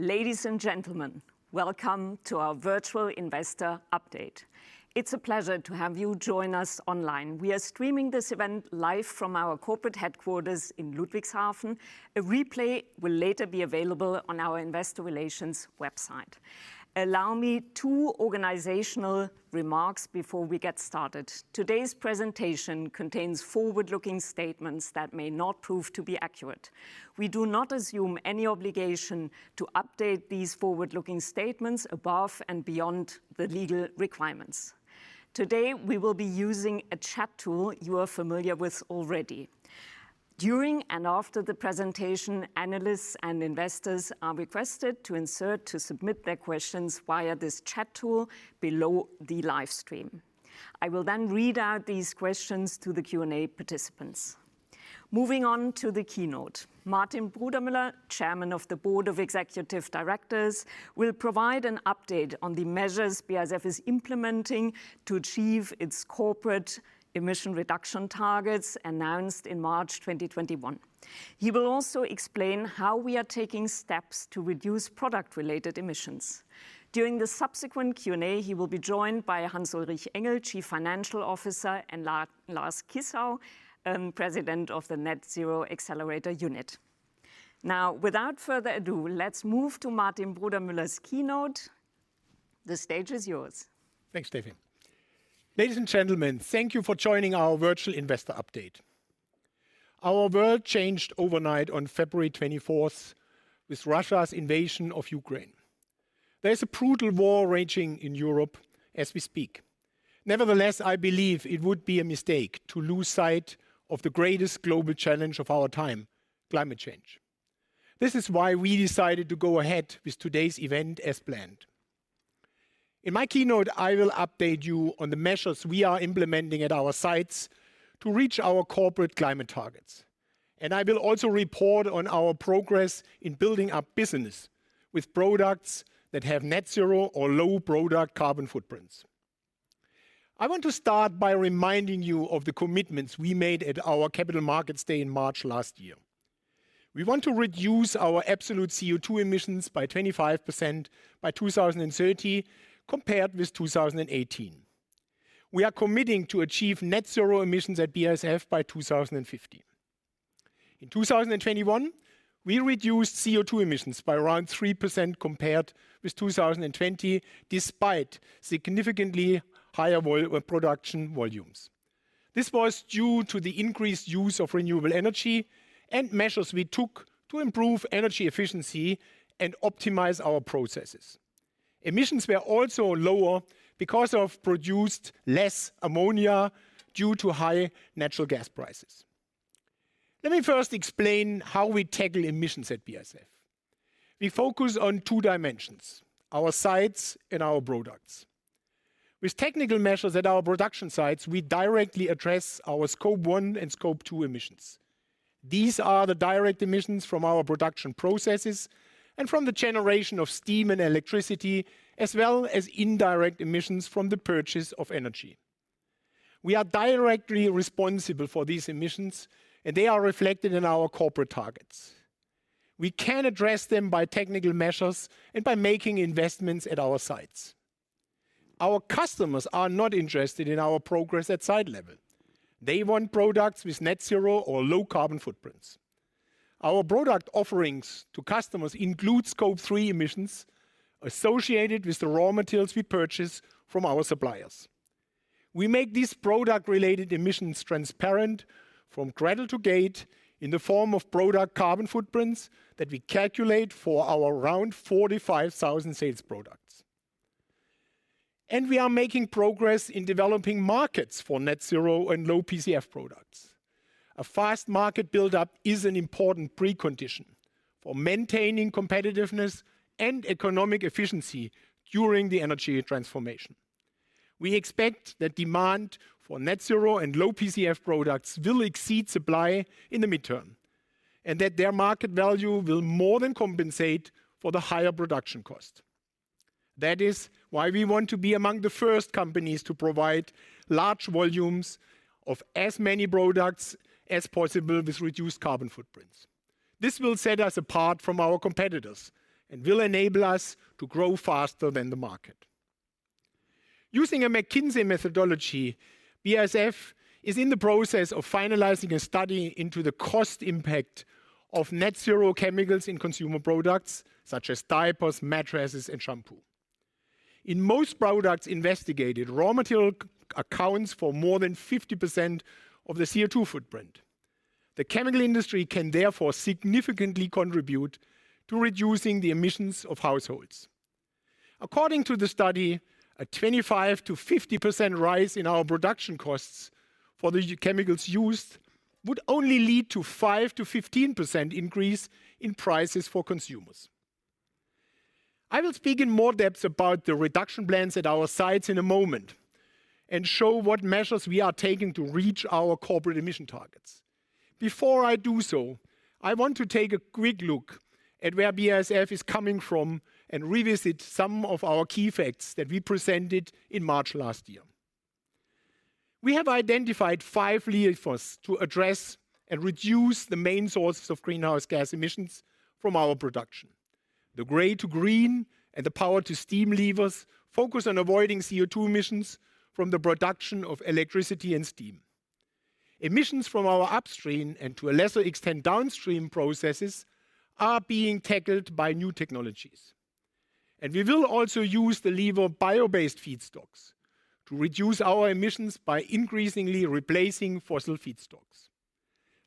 Ladies and gentlemen, welcome to our virtual investor update. It's a pleasure to have you join us online. We are streaming this event live from our corporate headquarters in Ludwigshafen. A replay will later be available on our investor relations website. Allow me two organizational remarks before we get started. Today's presentation contains forward-looking statements that may not prove to be accurate. We do not assume any obligation to update these forward-looking statements above and beyond the legal requirements. Today, we will be using a chat tool you are familiar with already. During and after the presentation, analysts and investors are requested to use it to submit their questions via this chat tool below the live stream. I will then read out these questions to the Q&A participants. Moving on to the keynote, Martin Brudermüller, Chairman of the Board of Executive Directors, will provide an update on the measures BASF is implementing to achieve its corporate emission reduction targets announced in March 2021. He will also explain how we are taking steps to reduce product-related emissions. During the subsequent Q&A, he will be joined by Hans-Ulrich Engel, Chief Financial Officer, and Lars Kissau, President of the Net Zero Accelerator. Now, without further ado, let's move to Martin Brudermüller's keynote. The stage is yours. Thanks, Steffi. Ladies and gentlemen, thank you for joining our virtual investor update. Our world changed overnight on February 24 with Russia's invasion of Ukraine. There's a brutal war raging in Europe as we speak. Nevertheless, I believe it would be a mistake to lose sight of the greatest global challenge of our time, climate change. This is why we decided to go ahead with today's event as planned. In my keynote, I will update you on the measures we are implementing at our sites to reach our corporate climate targets, and I will also report on our progress in building our business with products that have net-zero or low-product carbon footprints. I want to start by reminding you of the commitments we made at our Capital Markets Day in March last year. We want to reduce our absolute CO2 emissions by 25% by 2030, compared with 2018. We are committing to achieve net-zero emissions at BASF by 2050. In 2021, we reduced CO2 emissions by around 3% compared with 2020, despite significantly higher production volumes. This was due to the increased use of renewable energy and measures we took to improve energy efficiency and optimize our processes. Emissions were also lower because of produced less ammonia due to high natural gas prices. Let me first explain how we tackle emissions at BASF. We focus on two dimensions: our sites and our products. With technical measures at our production sites, we directly address our Scope 1 and Scope 2 emissions. These are the direct emissions from our production processes and from the generation of steam and electricity, as well as indirect emissions from the purchase of energy. We are directly responsible for these emissions, and they are reflected in our corporate targets. We can address them by technical measures and by making investments at our sites. Our customers are not interested in our progress at site level. They want products with net-zero or low carbon footprints. Our product offerings to customers include Scope 3 emissions associated with the raw materials we purchase from our suppliers. We make these product-related emissions transparent from cradle to gate in the form of product carbon footprints that we calculate for our around 45,000 sales products. We are making progress in developing markets for net-zero and low PCF products. A fast market buildup is an important precondition for maintaining competitiveness and economic efficiency during the energy transformation. We expect that demand for net-zero and low PCF products will exceed supply in the midterm, and that their market value will more than compensate for the higher production cost. That is why we want to be among the first companies to provide large volumes of as many products as possible with reduced carbon footprints. This will set us apart from our competitors and will enable us to grow faster than the market. Using a McKinsey methodology, BASF is in the process of finalizing a study into the cost impact of net-zero chemicals in consumer products such as diapers, mattresses, and shampoo. In most products investigated, raw material accounts for more than 50% of the CO2 footprint. The chemical industry can therefore significantly contribute to reducing the emissions of households. According to the study, a 25%-50% rise in our production costs for the chemicals used would only lead to 5%-15% increase in prices for consumers. I will speak in more depth about the reduction plans at our sites in a moment and show what measures we are taking to reach our corporate emission targets. Before I do so, I want to take a quick look at where BASF is coming from and revisit some of our key facts that we presented in March last year. We have identified five levers to address and reduce the main sources of greenhouse gas emissions from our production. The gray to green and the power to steam levers focus on avoiding CO2 emissions from the production of electricity and steam. Emissions from our upstream and, to a lesser extent, downstream processes are being tackled by new technologies. We will also use the lever bio-based feedstocks to reduce our emissions by increasingly replacing fossil feedstocks.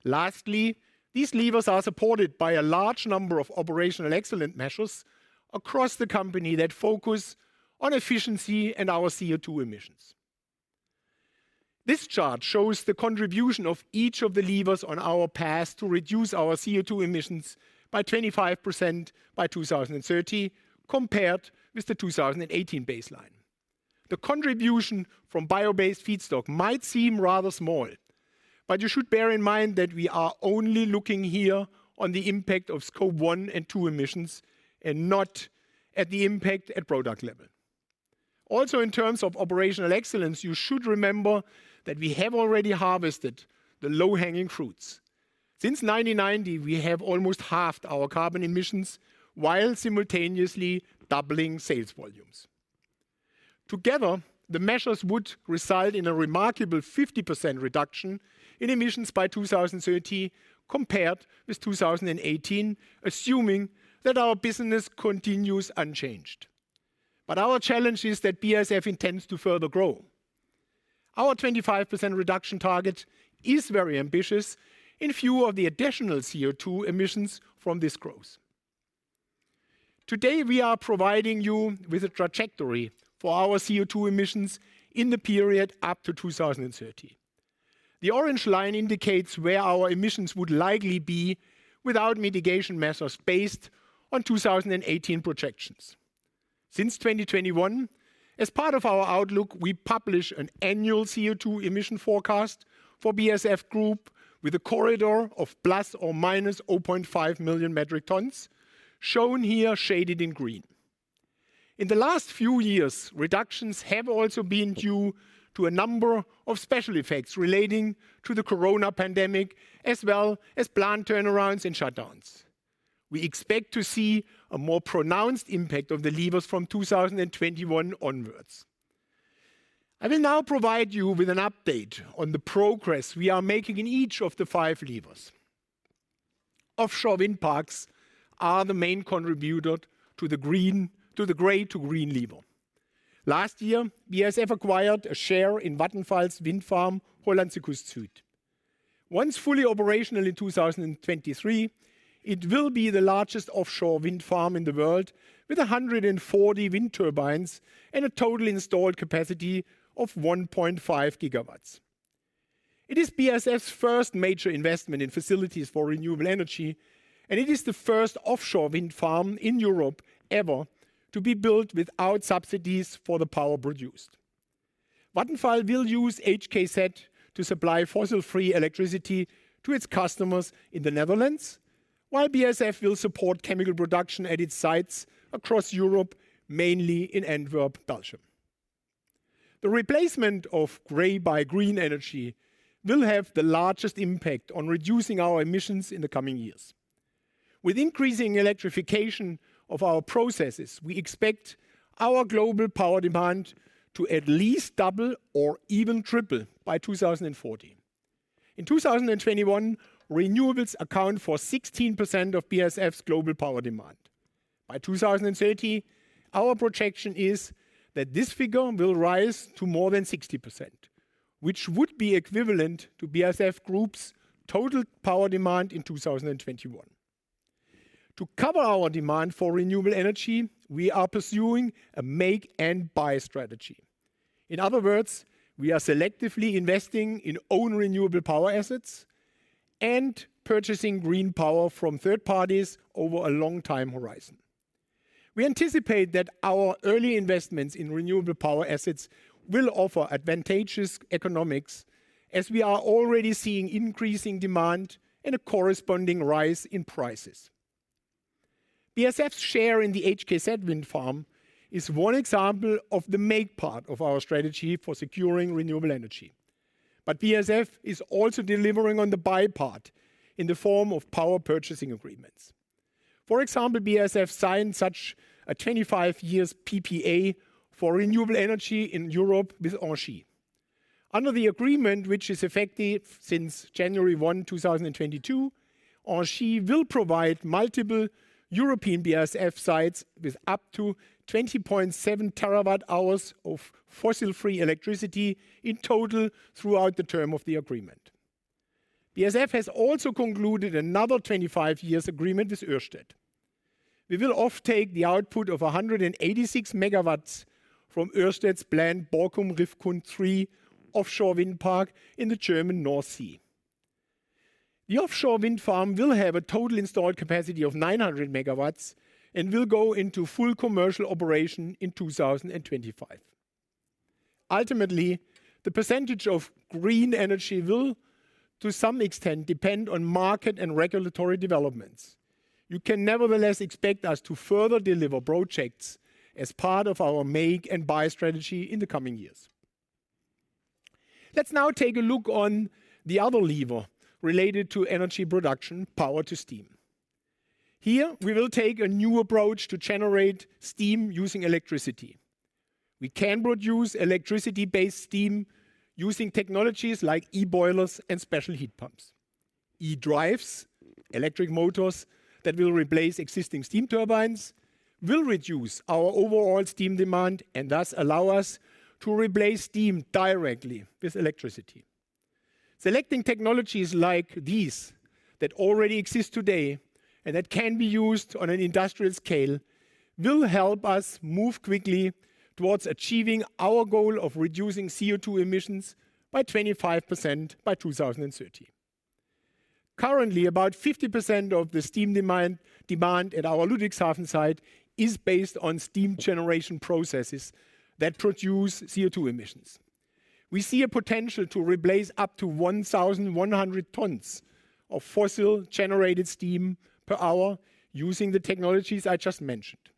Lastly, these levers are supported by a large number of operational excellence measures across the company that focus on efficiency and our CO2 emissions. This chart shows the contribution of each of the levers on our path to reduce our CO2 emissions by 25% by 2030 compared with the 2018 baseline. The contribution from bio-based feedstock might seem rather small, but you should bear in mind that we are only looking here on the impact of Scope 1 and 2 emissions and not at the impact at product level. Also, in terms of operational excellence, you should remember that we have already harvested the low-hanging fruits. Since 1990, we have almost halved our carbon emissions while simultaneously doubling sales volumes. Together, the measures would result in a remarkable 50% reduction in emissions by 2030 compared with 2018, assuming that our business continues unchanged. Our challenge is that BASF intends to further grow. Our 25% reduction target is very ambitious in view of the additional CO2 emissions from this growth. Today, we are providing you with a trajectory for our CO2 emissions in the period up to 2030. The orange line indicates where our emissions would likely be without mitigation measures based on 2018 projections. Since 2021, as part of our outlook, we publish an annual CO2 emission forecast for BASF Group with a corridor of ±0.5 million metric tons, shown here shaded in green. In the last few years, reductions have also been due to a number of special effects relating to the corona pandemic, as well as plant turnarounds and shutdowns. We expect to see a more pronounced impact of the levers from 2021 onwards. I will now provide you with an update on the progress we are making in each of the five levers. Offshore wind parks are the main contributor to the gray to green lever. Last year, BASF acquired a share in Vattenfall's wind farm Hollandse Kust Zuid. Once fully operational in 2023, it will be the largest offshore wind farm in the world with 140 wind turbines and a total installed capacity of 1.5 GW. It is BASF's first major investment in facilities for renewable energy, and it is the first offshore wind farm in Europe ever to be built without subsidies for the power produced. Vattenfall will use HKZ to supply fossil-free electricity to its customers in the Netherlands, while BASF will support chemical production at its sites across Europe, mainly in Antwerp, Belgium. The replacement of gray to green energy will have the largest impact on reducing our emissions in the coming years. With increasing electrification of our processes, we expect our global power demand to at least double or even triple by 2040. In 2021, renewables account for 16% of BASF's global power demand. By 2030, our projection is that this figure will rise to more than 60%, which would be equivalent to BASF Group's total power demand in 2021. To cover our demand for renewable energy, we are pursuing a make-and-buy strategy. In other words, we are selectively investing in own renewable power assets and purchasing green power from third parties over a long time horizon. We anticipate that our early investments in renewable power assets will offer advantageous economics as we are already seeing increasing demand and a corresponding rise in prices. BASF's share in the HKZ wind farm is one example of the make part of our strategy for securing renewable energy. BASF is also delivering on the buy part in the form of power purchasing agreements. For example, BASF signed such a 25-year PPA for renewable energy in Europe with ENGIE. Under the agreement, which is effective since January 1, 2022, ENGIE will provide multiple European BASF sites with up to 20.7 TWh of fossil-free electricity in total throughout the term of the agreement. BASF has also concluded another 25-year agreement with Ørsted. We will offtake the output of 186 MW from Ørsted's Borkum Riffgrund 3 offshore wind park in the German North Sea. The offshore wind farm will have a total installed capacity of 900 MW and will go into full commercial operation in 2025. Ultimately, the percentage of green energy will to some extent depend on market and regulatory developments. You can nevertheless expect us to further deliver projects as part of our make and buy strategy in the coming years. Let's now take a look on the other lever related to energy production, power-to-steam. Here, we will take a new approach to generate steam using electricity. We can produce electricity-based steam using technologies like e-boilers and special heat pumps. E-drives, electric motors that will replace existing steam turbines, will reduce our overall steam demand and thus allow us to replace steam directly with electricity. Selecting technologies like these that already exist today and that can be used on an industrial scale will help us move quickly towards achieving our goal of reducing CO2 emissions by 25% by 2030. Currently, about 50% of the steam demand at our Ludwigshafen site is based on steam generation processes that produce CO2 emissions. We see a potential to replace up to 1,100 tons of fossil-generated steam per hour using the technologies I just mentioned.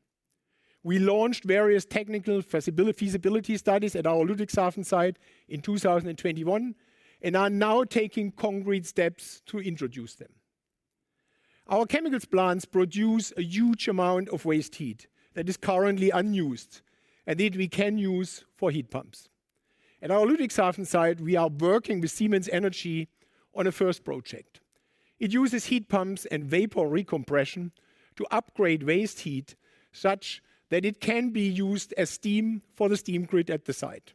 We launched various technical feasibility studies at our Ludwigshafen site in 2021 and are now taking concrete steps to introduce them. Our chemical plants produce a huge amount of waste heat that is currently unused and that we can use for heat pumps. At our Ludwigshafen site, we are working with Siemens Energy on a first project. It uses heat pumps and vapor recompression to upgrade waste heat such that it can be used as steam for the steam grid at the site.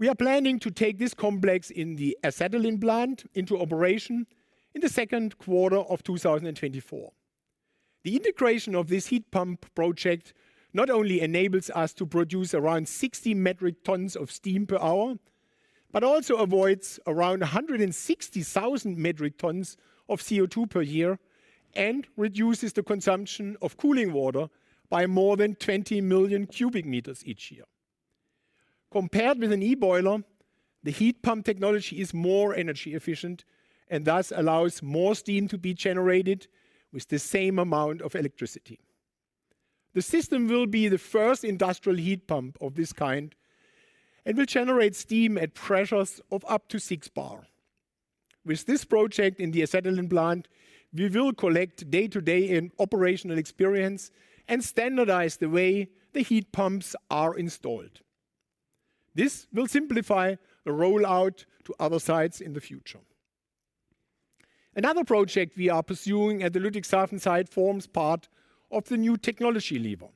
We are planning to take this complex in the acetylene plant into operation in the second quarter of 2024. The integration of this heat pump project not only enables us to produce around 60 metric tons of steam per hour, but also avoids around 160,000 metric tons of CO2 per year and reduces the consumption of cooling water by more than 20 million cubic meters each year. Compared with an e-boiler, the heat pump technology is more energy efficient and thus allows more steam to be generated with the same amount of electricity. The system will be the first industrial heat pump of this kind and will generate steam at pressures of up to six bar. With this project in the acetylene plant, we will collect day-to-day and operational experience and standardize the way the heat pumps are installed. This will simplify the rollout to other sites in the future. Another project we are pursuing at the Ludwigshafen site forms part of the new technology lever.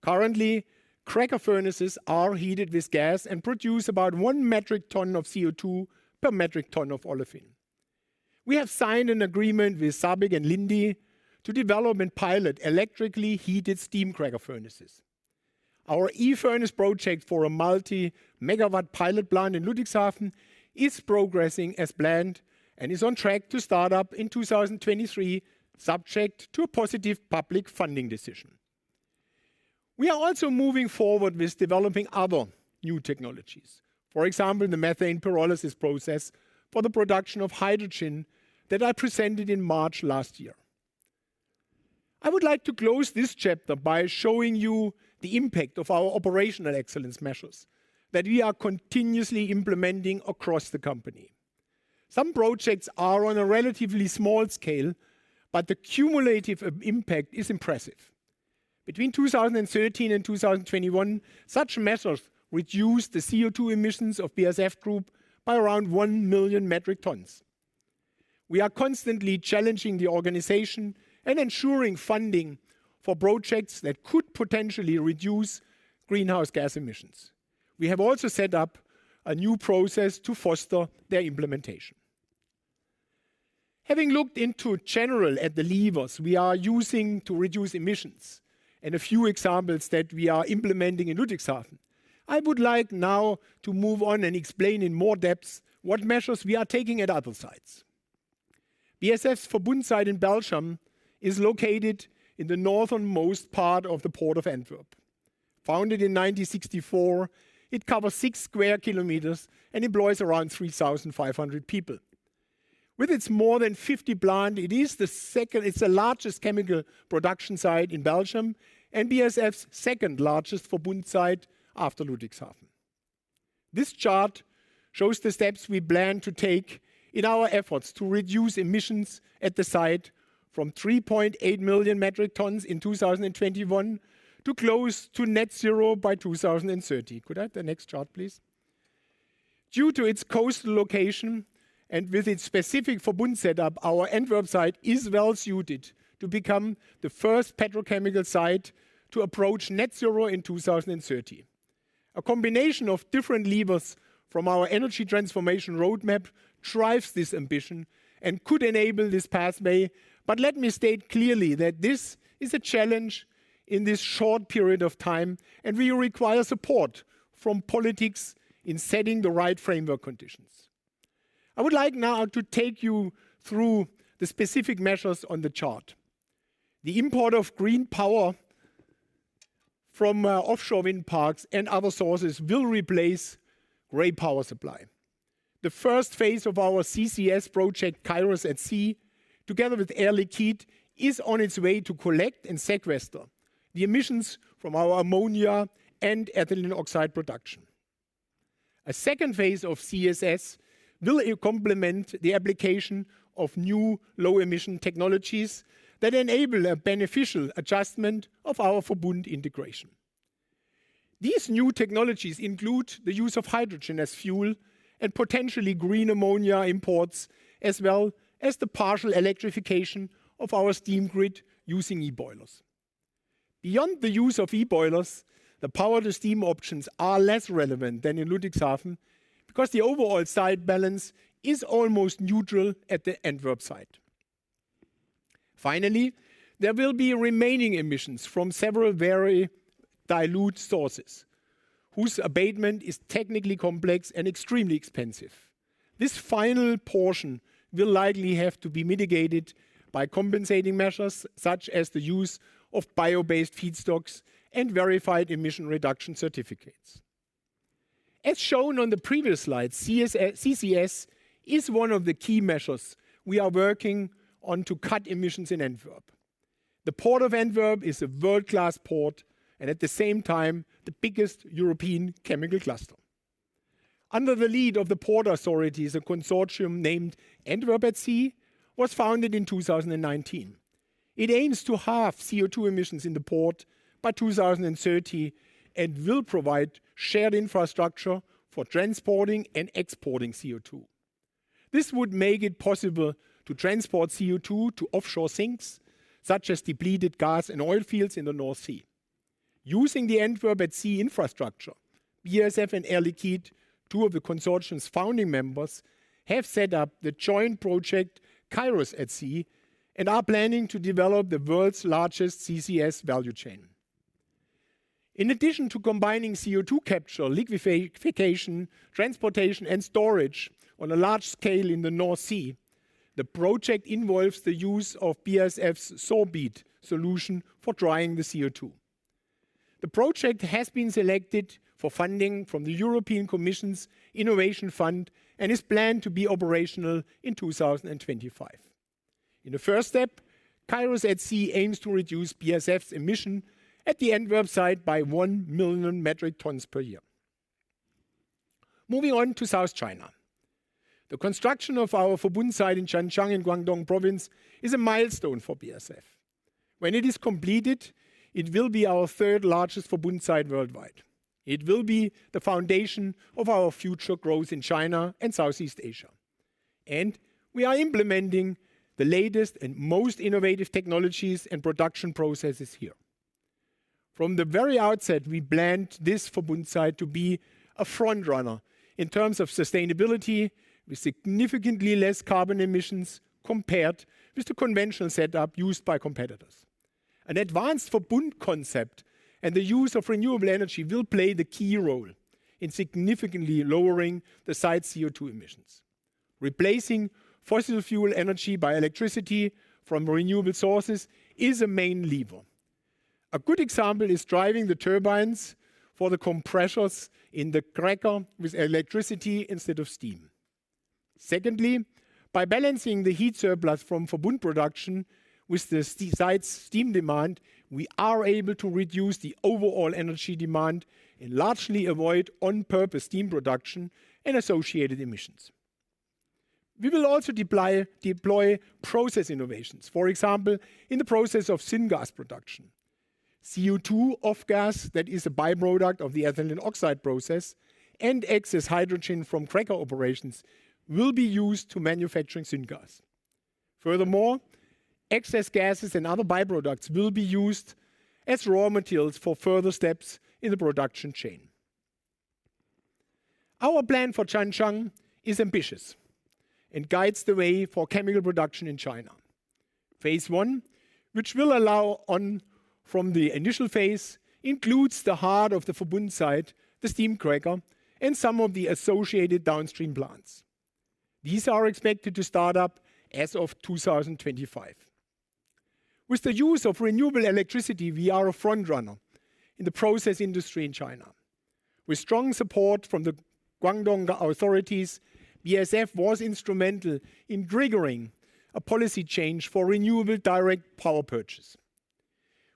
Currently, cracker furnaces are heated with gas and produce about 1 metric ton of CO2 per metric ton of olefin. We have signed an agreement with SABIC and Linde to develop and pilot electrically heated steam cracker furnaces. Our eFurnace project for a multi-megawatt pilot plant in Ludwigshafen is progressing as planned and is on track to start up in 2023, subject to a positive public funding decision. We are also moving forward with developing other new technologies, for example, the methane pyrolysis process for the production of hydrogen that I presented in March last year. I would like to close this chapter by showing you the impact of our operational excellence measures that we are continuously implementing across the company. Some projects are on a relatively small scale, but the cumulative impact is impressive. Between 2013 and 2021, such measures reduced the CO2 emissions of BASF Group by around 1 million metric tons. We are constantly challenging the organization and ensuring funding for projects that could potentially reduce greenhouse gas emissions. We have also set up a new process to foster their implementation. Having looked in general at the levers we are using to reduce emissions and a few examples that we are implementing in Ludwigshafen, I would like now to move on and explain in more depth what measures we are taking at other sites. BASF's Verbund site in Belgium is located in the northernmost part of the Port of Antwerp. Founded in 1964, it covers 6 sq km and employs around 3,500 people. With its more than 50 plants, it's the largest chemical production site in Belgium and BASF's second largest Verbund site after Ludwigshafen. This chart shows the steps we plan to take in our efforts to reduce emissions at the site from 3.8 million metric tons in 2021 to close to net zero by 2030. Could I have the next chart, please? Due to its coastal location and with its specific Verbund setup, our Antwerp site is well suited to become the first petrochemical site to approach net zero in 2030. A combination of different levers from our energy transformation roadmap drives this ambition and could enable this pathway. Let me state clearly that this is a challenge in this short period of time, and we require support from politics in setting the right framework conditions. I would like now to take you through the specific measures on the chart. The import of green power from offshore wind parks and other sources will replace gray power supply. The first phase of our CCS project, Kairos@C, together with Air Liquide, is on its way to collect and sequester the emissions from our ammonia and ethylene oxide production. A second phase of CCS will complement the application of new low-emission technologies that enable a beneficial adjustment of our Verbund integration. These new technologies include the use of hydrogen as fuel and potentially green ammonia imports, as well as the partial electrification of our steam grid using e-boilers. Beyond the use of e-boilers, the power-to-steam options are less relevant than in Ludwigshafen because the overall site balance is almost neutral at the Antwerp site. Finally, there will be remaining emissions from several very dilute sources whose abatement is technically complex and extremely expensive. This final portion will likely have to be mitigated by compensating measures such as the use of bio-based feedstocks and verified emission reduction certificates. As shown on the previous slide, CCS is one of the key measures we are working on to cut emissions in Antwerp. The Port of Antwerp is a world-class port and at the same time the biggest European chemical cluster. Under the lead of the port authorities, a consortium named Antwerp@C was founded in 2019. It aims to halve CO2 emissions in the port by 2030 and will provide shared infrastructure for transporting and exporting CO2. This would make it possible to transport CO2 to offshore sinks such as depleted gas and oil fields in the North Sea. Using the Antwerp@C infrastructure, BASF and Air Liquide, two of the consortium's founding members, have set up the joint project Kairos@C and are planning to develop the world's largest CCS value chain. In addition to combining CO2 capture, liquefaction, transportation, and storage on a large scale in the North Sea, the project involves the use of BASF's Sorbead solution for drying the CO2. The project has been selected for funding from the European Commission's Innovation Fund and is planned to be operational in 2025. In the first step, Kairos@C aims to reduce BASF's emissions at the Antwerp site by 1 million metric tons per year. Moving on to South China. The construction of our Verbund site in Zhanjiang in Guangdong Province is a milestone for BASF. When it is completed, it will be our third-largest Verbund site worldwide. It will be the foundation of our future growth in China and Southeast Asia, and we are implementing the latest and most innovative technologies and production processes here. From the very outset, we planned this Verbund site to be a frontrunner in terms of sustainability with significantly less carbon emissions compared with the conventional setup used by competitors. An advanced Verbund concept and the use of renewable energy will play the key role in significantly lowering the site's CO2 emissions. Replacing fossil fuel energy by electricity from renewable sources is a main lever. A good example is driving the turbines for the compressors in the cracker with electricity instead of steam. Secondly, by balancing the heat surplus from Verbund production with the site's steam demand, we are able to reduce the overall energy demand and largely avoid on-purpose steam production and associated emissions. We will also deploy process innovations, for example, in the process of syngas production. CO2 off gas that is a by-product of the ethylene oxide process and excess hydrogen from cracker operations will be used to manufacture syngas. Furthermore, excess gases and other by-products will be used as raw materials for further steps in the production chain. Our plan for Zhanjiang is ambitious and guides the way for chemical production in China. Phase one, which will allow on from the initial phase, includes the heart of the Verbund site, the steam cracker, and some of the associated downstream plants. These are expected to start up as of 2025. With the use of renewable electricity, we are a frontrunner in the process industry in China. With strong support from the Guangdong authorities, BASF was instrumental in triggering a policy change for renewable direct power purchase.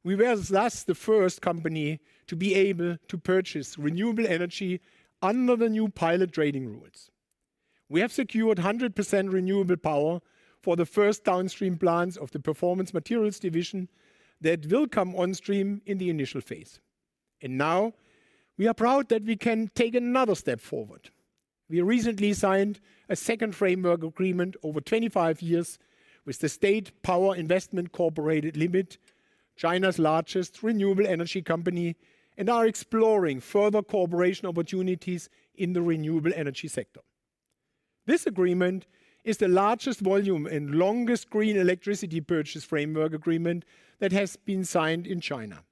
We were thus the first company to be able to purchase renewable energy under the new pilot trading rules. We have secured 100% renewable power for the first downstream plants of the Performance Materials division that will come on stream in the initial phase. Now we are proud that we can take another step forward. We recently signed a second framework agreement over 25 years with the State Power Investment Corporation Limited, China's largest renewable energy company, and are exploring further cooperation opportunities in the renewable energy sector. This agreement is the largest volume and longest green electricity purchase framework agreement that has been signed in China.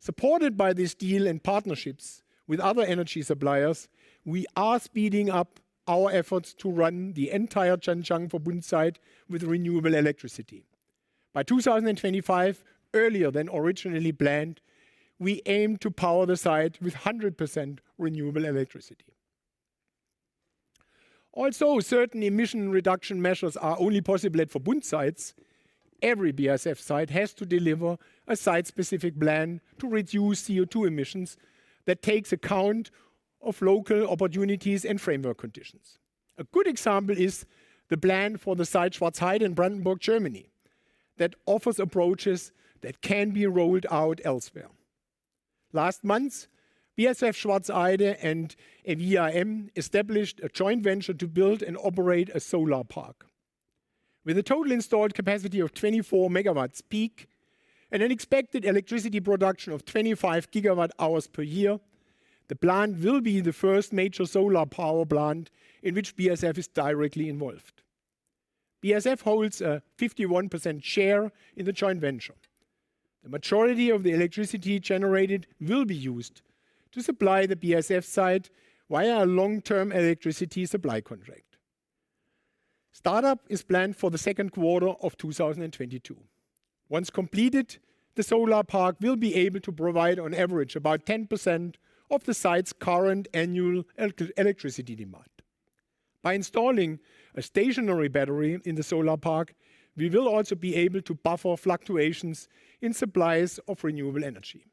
Supported by this deal and partnerships with other energy suppliers, we are speeding up our efforts to run the entire Zhanjiang Verbund site with renewable electricity. By 2025, earlier than originally planned, we aim to power the site with 100% renewable electricity. Also, certain emission reduction measures are only possible at Verbund sites. Every BASF site has to deliver a site-specific plan to reduce CO2 emissions that takes account of local opportunities and framework conditions. A good example is the plan for the site Schwarzheide in Brandenburg, Germany, that offers approaches that can be rolled out elsewhere. Last month, BASF Schwarzheide and enviaM established a joint venture to build and operate a solar park. With a total installed capacity of 24 MW peak and an expected electricity production of 25 GWh per year, the plant will be the first major solar power plant in which BASF is directly involved. BASF holds a 51% share in the joint venture. The majority of the electricity generated will be used to supply the BASF site via a long-term electricity supply contract. Startup is planned for Q2 2022. Once completed, the solar park will be able to provide on average about 10% of the site's current annual electricity demand. By installing a stationary battery in the solar park, we will also be able to buffer fluctuations in supplies of renewable energy.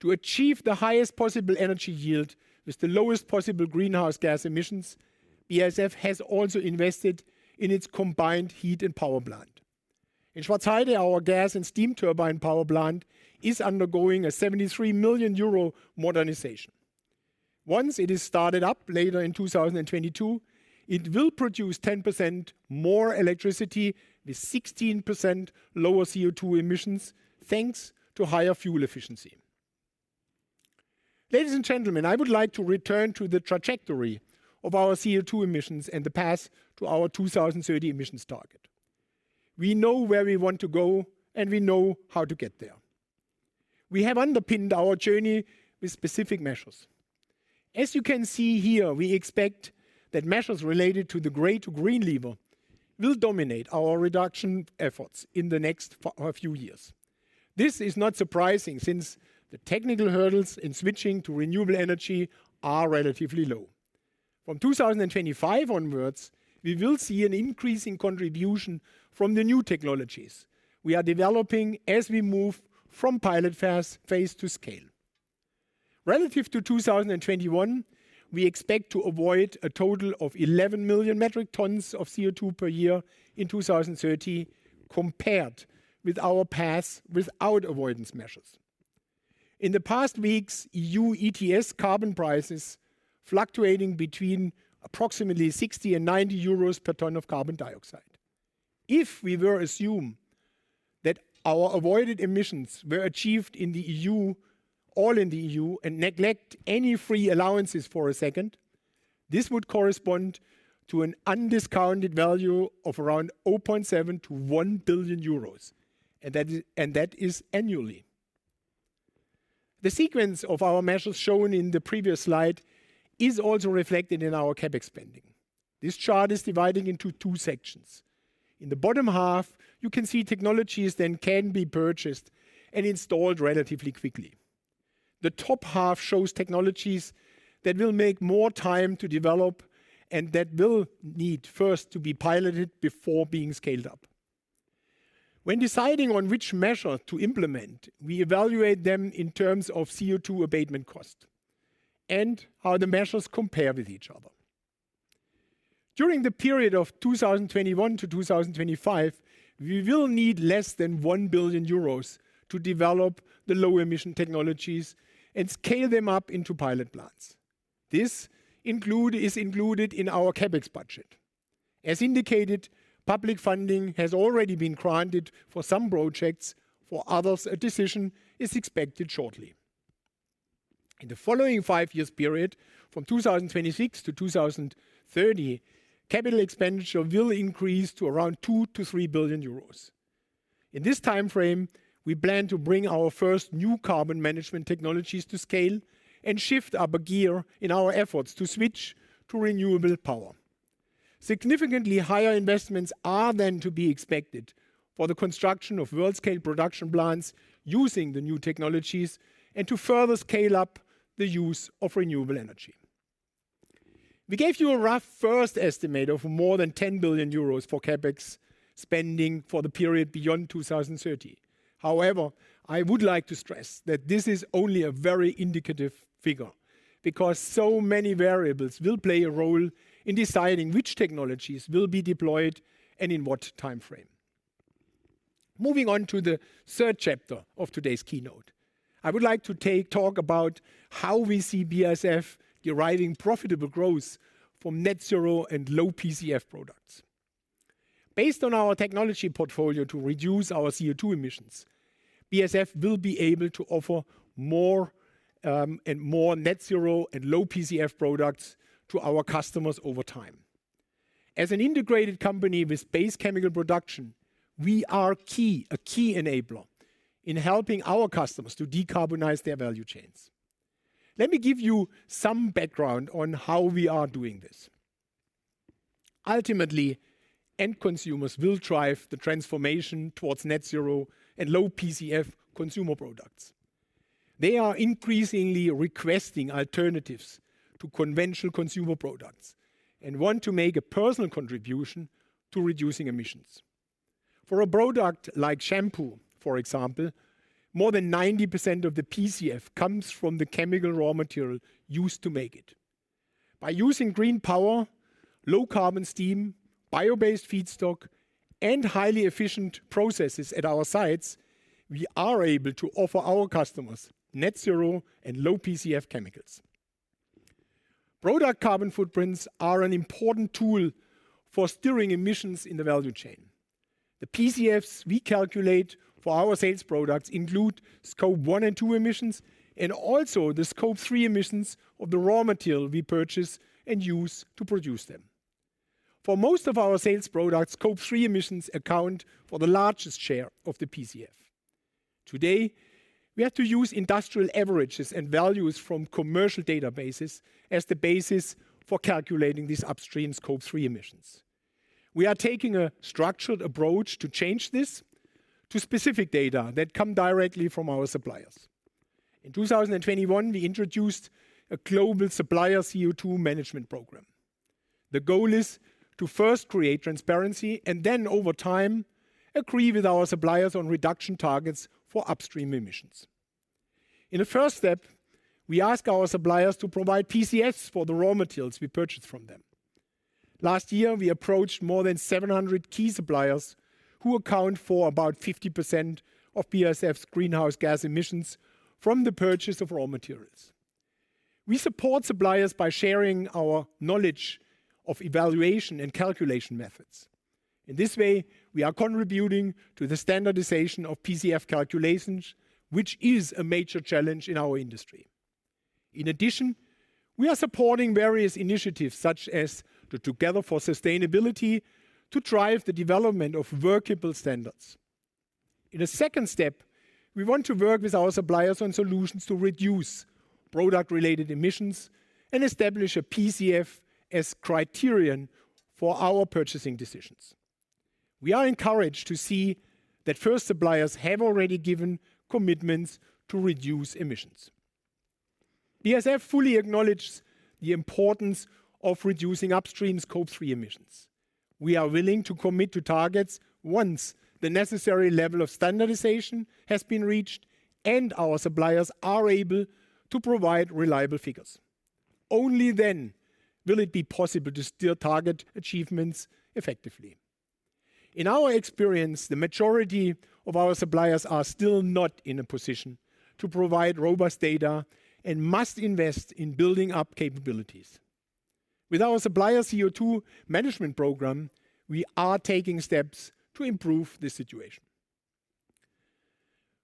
To achieve the highest possible energy yield with the lowest possible greenhouse gas emissions, BASF has also invested in its combined heat and power plant. In Schwarzheide, our gas and steam turbine power plant is undergoing a 73 million euro modernization. Once it is started up later in 2022, it will produce 10% more electricity with 16% lower CO2 emissions, thanks to higher fuel efficiency. Ladies and gentlemen, I would like to return to the trajectory of our CO2 emissions and the path to our 2030 emissions target. We know where we want to go, and we know how to get there. We have underpinned our journey with specific measures. As you can see here, we expect that measures related to the gray to green lever will dominate our reduction efforts in the next few years. This is not surprising since the technical hurdles in switching to renewable energy are relatively low. From 2025 onwards, we will see an increase in contribution from the new technologies we are developing as we move from pilot phase to scale. Relative to 2021, we expect to avoid a total of 11 million metric tons of CO2 per year in 2030 compared with our path without avoidance measures. In the past weeks, EU ETS carbon prices fluctuating between approximately 60 and 90 euros per ton of carbon dioxide. If we were to assume that our avoided emissions were achieved in the EU, all in the EU and neglect any free allowances for a second, this would correspond to an undiscounted value of around 0.7 billion-1 billion euros. That is annually. The sequence of our measures shown in the previous slide is also reflected in our CapEx spending. This chart is divided into two sections. In the bottom half, you can see technologies that can be purchased and installed relatively quickly. The top half shows technologies that will take more time to develop and that will need first to be piloted before being scaled up. When deciding on which measure to implement, we evaluate them in terms of CO2 abatement cost and how the measures compare with each other. During the period of 2021-2025, we will need less than 1 billion euros to develop the low emission technologies and scale them up into pilot plants. This is included in our CapEx budget. As indicated, public funding has already been granted for some projects. For others, a decision is expected shortly. In the following five-year period from 2026-2030, capital expenditure will increase to around 2 billion-3 billion euros. In this timeframe, we plan to bring our first new carbon management technologies to scale and shift up a gear in our efforts to switch to renewable power. Significantly higher investments are then to be expected for the construction of world-scale production plants using the new technologies and to further scale up the use of renewable energy. We gave you a rough first estimate of more than 10 billion euros for CapEx spending for the period beyond 2030. However, I would like to stress that this is only a very indicative figure because so many variables will play a role in deciding which technologies will be deployed and in what timeframe. Moving on to the third chapter of today's keynote, I would like to talk about how we see BASF deriving profitable growth from net zero and low PCF products. Based on our technology portfolio to reduce our CO2 emissions, BASF will be able to offer more and more net zero and low PCF products to our customers over time. As an integrated company with base chemical production, we are a key enabler in helping our customers to decarbonize their value chains. Let me give you some background on how we are doing this. Ultimately, end consumers will drive the transformation towards net-zero and low PCF consumer products. They are increasingly requesting alternatives to conventional consumer products and want to make a personal contribution to reducing emissions. For a product like shampoo, for example, more than 90% of the PCF comes from the chemical raw material used to make it. By using green power, low carbon steam, bio-based feedstock, and highly efficient processes at our sites, we are able to offer our customers net-zero and low PCF chemicals. Product carbon footprints are an important tool for steering emissions in the value chain. The PCFs we calculate for our sales products include Scope 1 and 2 emissions, and also the Scope 3 emissions of the raw material we purchase and use to produce them. For most of our sales products, Scope 3 emissions account for the largest share of the PCF. Today, we have to use industrial averages and values from commercial databases as the basis for calculating these upstream Scope 3 emissions. We are taking a structured approach to change this to specific data that come directly from our suppliers. In 2021, we introduced a global supplier CO2 management program. The goal is to first create transparency and then over time, agree with our suppliers on reduction targets for upstream emissions. In the first step, we ask our suppliers to provide PCFs for the raw materials we purchase from them. Last year, we approached more than 700 key suppliers who account for about 50% of BASF's greenhouse gas emissions from the purchase of raw materials. We support suppliers by sharing our knowledge of evaluation and calculation methods. In this way, we are contributing to the standardization of PCF calculations, which is a major challenge in our industry. In addition, we are supporting various initiatives such as the Together for Sustainability to drive the development of workable standards. In a second step, we want to work with our suppliers on solutions to reduce product-related emissions and establish a PCF as criterion for our purchasing decisions. We are encouraged to see that first suppliers have already given commitments to reduce emissions. BASF fully acknowledges the importance of reducing upstream Scope 3 emissions. We are willing to commit to targets once the necessary level of standardization has been reached and our suppliers are able to provide reliable figures. Only then will it be possible to steer target achievements effectively. In our experience, the majority of our suppliers are still not in a position to provide robust data and must invest in building up capabilities. With our supplier CO2 management program, we are taking steps to improve the situation.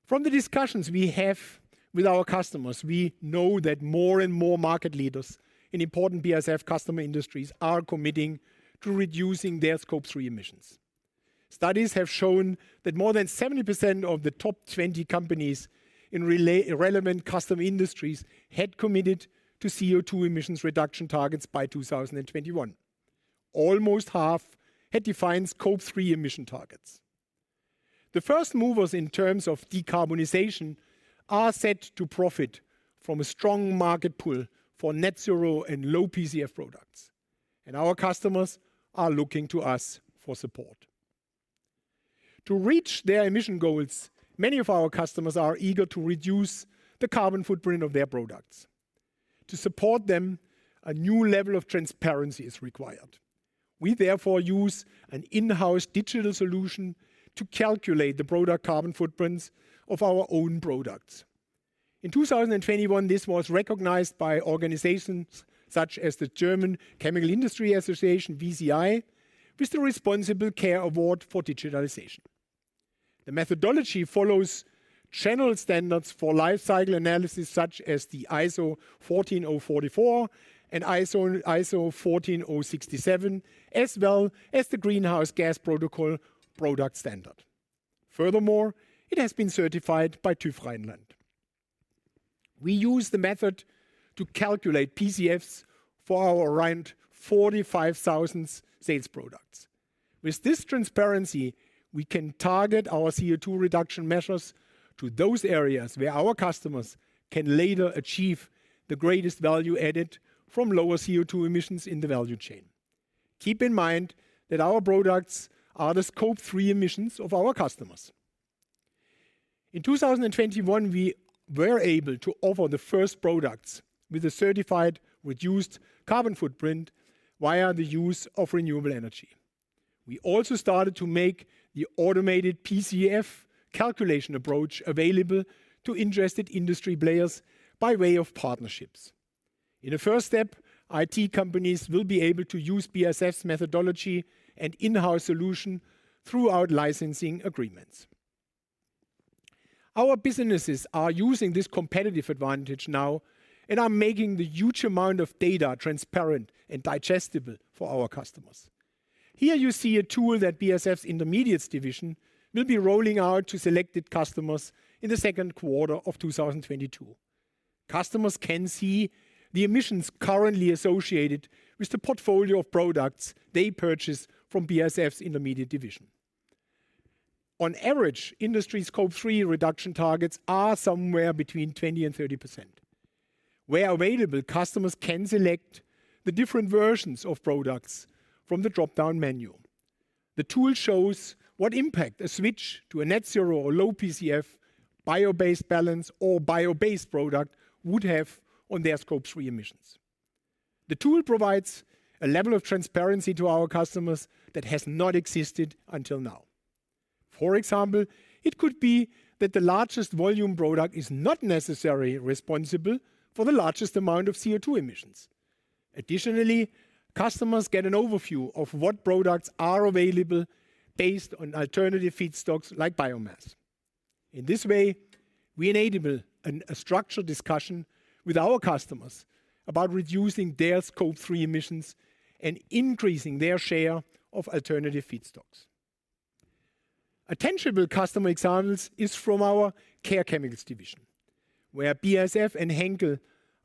From the discussions we have with our customers, we know that more and more market leaders in important BASF customer industries are committing to reducing their Scope 3 emissions. Studies have shown that more than 70% of the top 20 companies in relevant customer industries had committed to CO2 emissions reduction targets by 2021. Almost half had defined Scope 3 emission targets. The first movers in terms of decarbonization are set to profit from a strong market pull for net zero and low PCF products, and our customers are looking to us for support. To reach their emission goals, many of our customers are eager to reduce the carbon footprint of their products. To support them, a new level of transparency is required. We therefore use an in-house digital solution to calculate the product carbon footprints of our own products. In 2021, this was recognized by organizations such as the German Chemical Industry Association, VCI, with the Responsible Care Award for Digitalization. The methodology follows general standards for life cycle analysis such as the ISO 14044 and ISO 14067, as well as the Greenhouse Gas Protocol product standard. Furthermore, it has been certified by TÜV Rheinland. We use the method to calculate PCFs for our around 45,000 sales products. With this transparency, we can target our CO2 reduction measures to those areas where our customers can later achieve the greatest value added from lower CO2 emissions in the value chain. Keep in mind that our products are the Scope 3 emissions of our customers. In 2021, we were able to offer the first products with a certified reduced carbon footprint via the use of renewable energy. We also started to make the automated PCF calculation approach available to interested industry players by way of partnerships. In a first step, IT companies will be able to use BASF's methodology and in-house solution throughout licensing agreements. Our businesses are using this competitive advantage now and are making the huge amount of data transparent and digestible for our customers. Here you see a tool that BASF's Intermediates division will be rolling out to selected customers in the second quarter of 2022. Customers can see the emissions currently associated with the portfolio of products they purchase from BASF's Intermediates division. On average, industry Scope 3 reduction targets are somewhere between 20%-30%. Where available, customers can select the different versions of products from the drop-down menu. The tool shows what impact a switch to a net-zero or low PCF biomass balance or bio-based product would have on their Scope 3 emissions. The tool provides a level of transparency to our customers that has not existed until now. For example, it could be that the largest volume product is not necessarily responsible for the largest amount of CO2 emissions. Additionally, customers get an overview of what products are available based on alternative feedstocks like biomass. In this way, we enable a structured discussion with our customers about reducing their Scope 3 emissions and increasing their share of alternative feedstocks. A tangible customer example is from our Care Chemicals division, where BASF and Henkel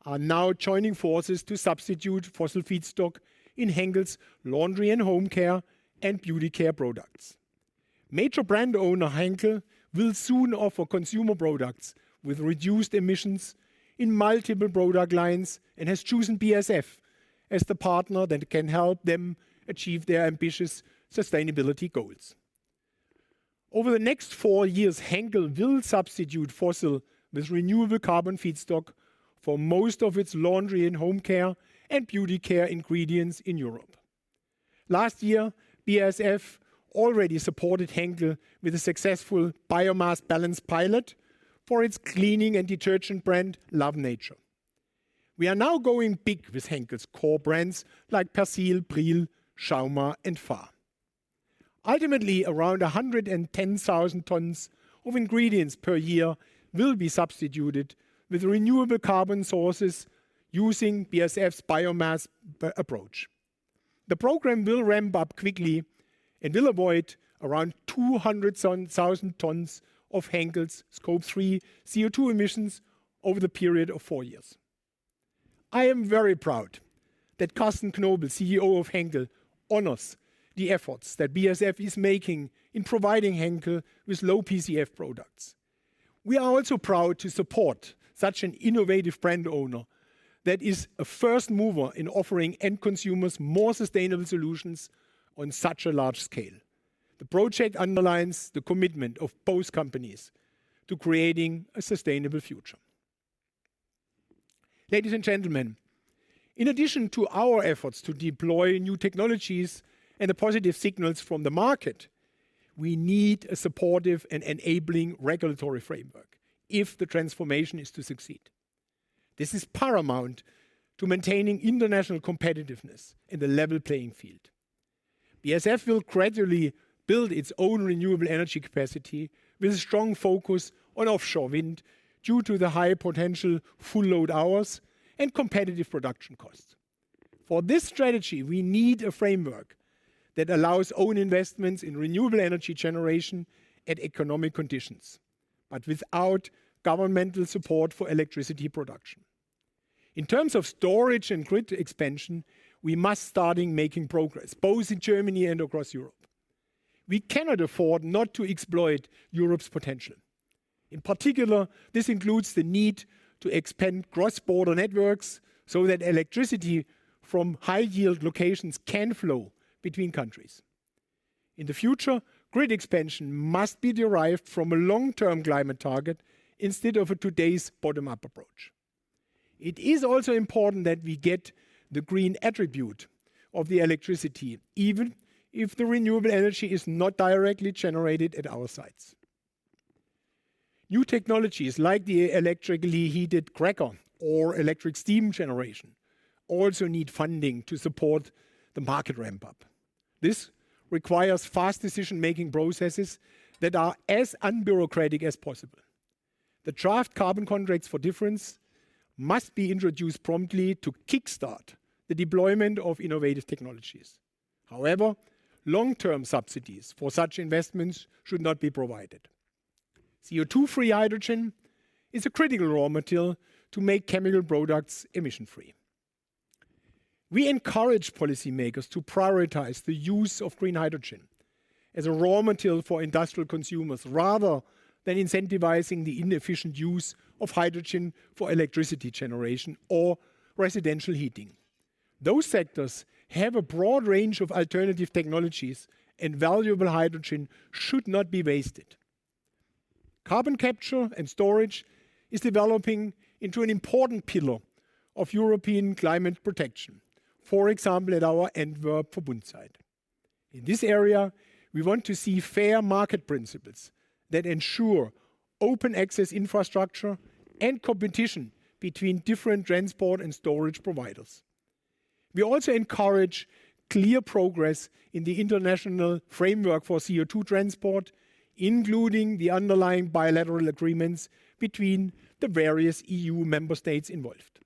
are now joining forces to substitute fossil feedstock in Henkel's laundry and home care and beauty care products. Major brand owner Henkel will soon offer consumer products with reduced emissions in multiple product lines and has chosen BASF as the partner that can help them achieve their ambitious sustainability goals. Over the next four years, Henkel will substitute fossil with renewable carbon feedstock for most of its laundry and home care and beauty care ingredients in Europe. Last year, BASF already supported Henkel with a successful biomass balance pilot for its cleaning and detergent brand Love Nature. We are now going big with Henkel's core brands like Persil, Pril, Schauma and Fa. Ultimately, around 110,000 tons of ingredients per year will be substituted with renewable carbon sources using BASF's biomass balance approach. The program will ramp up quickly and will avoid around 200,000 tons of Henkel's Scope 3 CO2 emissions over the period of four years. I am very proud that Carsten Knobel, CEO of Henkel, honors the efforts that BASF is making in providing Henkel with low PCF products. We are also proud to support such an innovative brand owner that is a first mover in offering end consumers more sustainable solutions on such a large scale. The project underlines the commitment of both companies to creating a sustainable future. Ladies and gentlemen, in addition to our efforts to deploy new technologies and the positive signals from the market, we need a supportive and enabling regulatory framework if the transformation is to succeed. This is paramount to maintaining international competitiveness in the level playing field. BASF will gradually build its own renewable energy capacity with a strong focus on offshore wind due to the high potential full load hours and competitive production costs. For this strategy, we need a framework that allows own investments in renewable energy generation at economic conditions, but without governmental support for electricity production. In terms of storage and grid expansion, we must start in making progress both in Germany and across Europe. We cannot afford not to exploit Europe's potential. In particular, this includes the need to expand cross-border networks so that electricity from high-yield locations can flow between countries. In the future, grid expansion must be derived from a long-term climate target instead of today's bottom-up approach. It is also important that we get the green attribute of the electricity, even if the renewable energy is not directly generated at our sites. New technologies like the electrically heated cracker or electric steam generation also need funding to support the market ramp-up. This requires fast decision-making processes that are as unbureaucratic as possible. The draft carbon contracts for difference must be introduced promptly to kickstart the deployment of innovative technologies. However, long-term subsidies for such investments should not be provided. CO2-free hydrogen is a critical raw material to make chemical products emission-free. We encourage policymakers to prioritize the use of green hydrogen as a raw material for industrial consumers, rather than incentivizing the inefficient use of hydrogen for electricity generation or residential heating. Those sectors have a broad range of alternative technologies, and valuable hydrogen should not be wasted. Carbon capture and storage is developing into an important pillar of European climate protection, for example, at our Antwerp site. In this area, we want to see fair market principles that ensure open access infrastructure and competition between different transport and storage providers. We also encourage clear progress in the international framework for CO2 transport, including the underlying bilateral agreements between the various EU member states involved.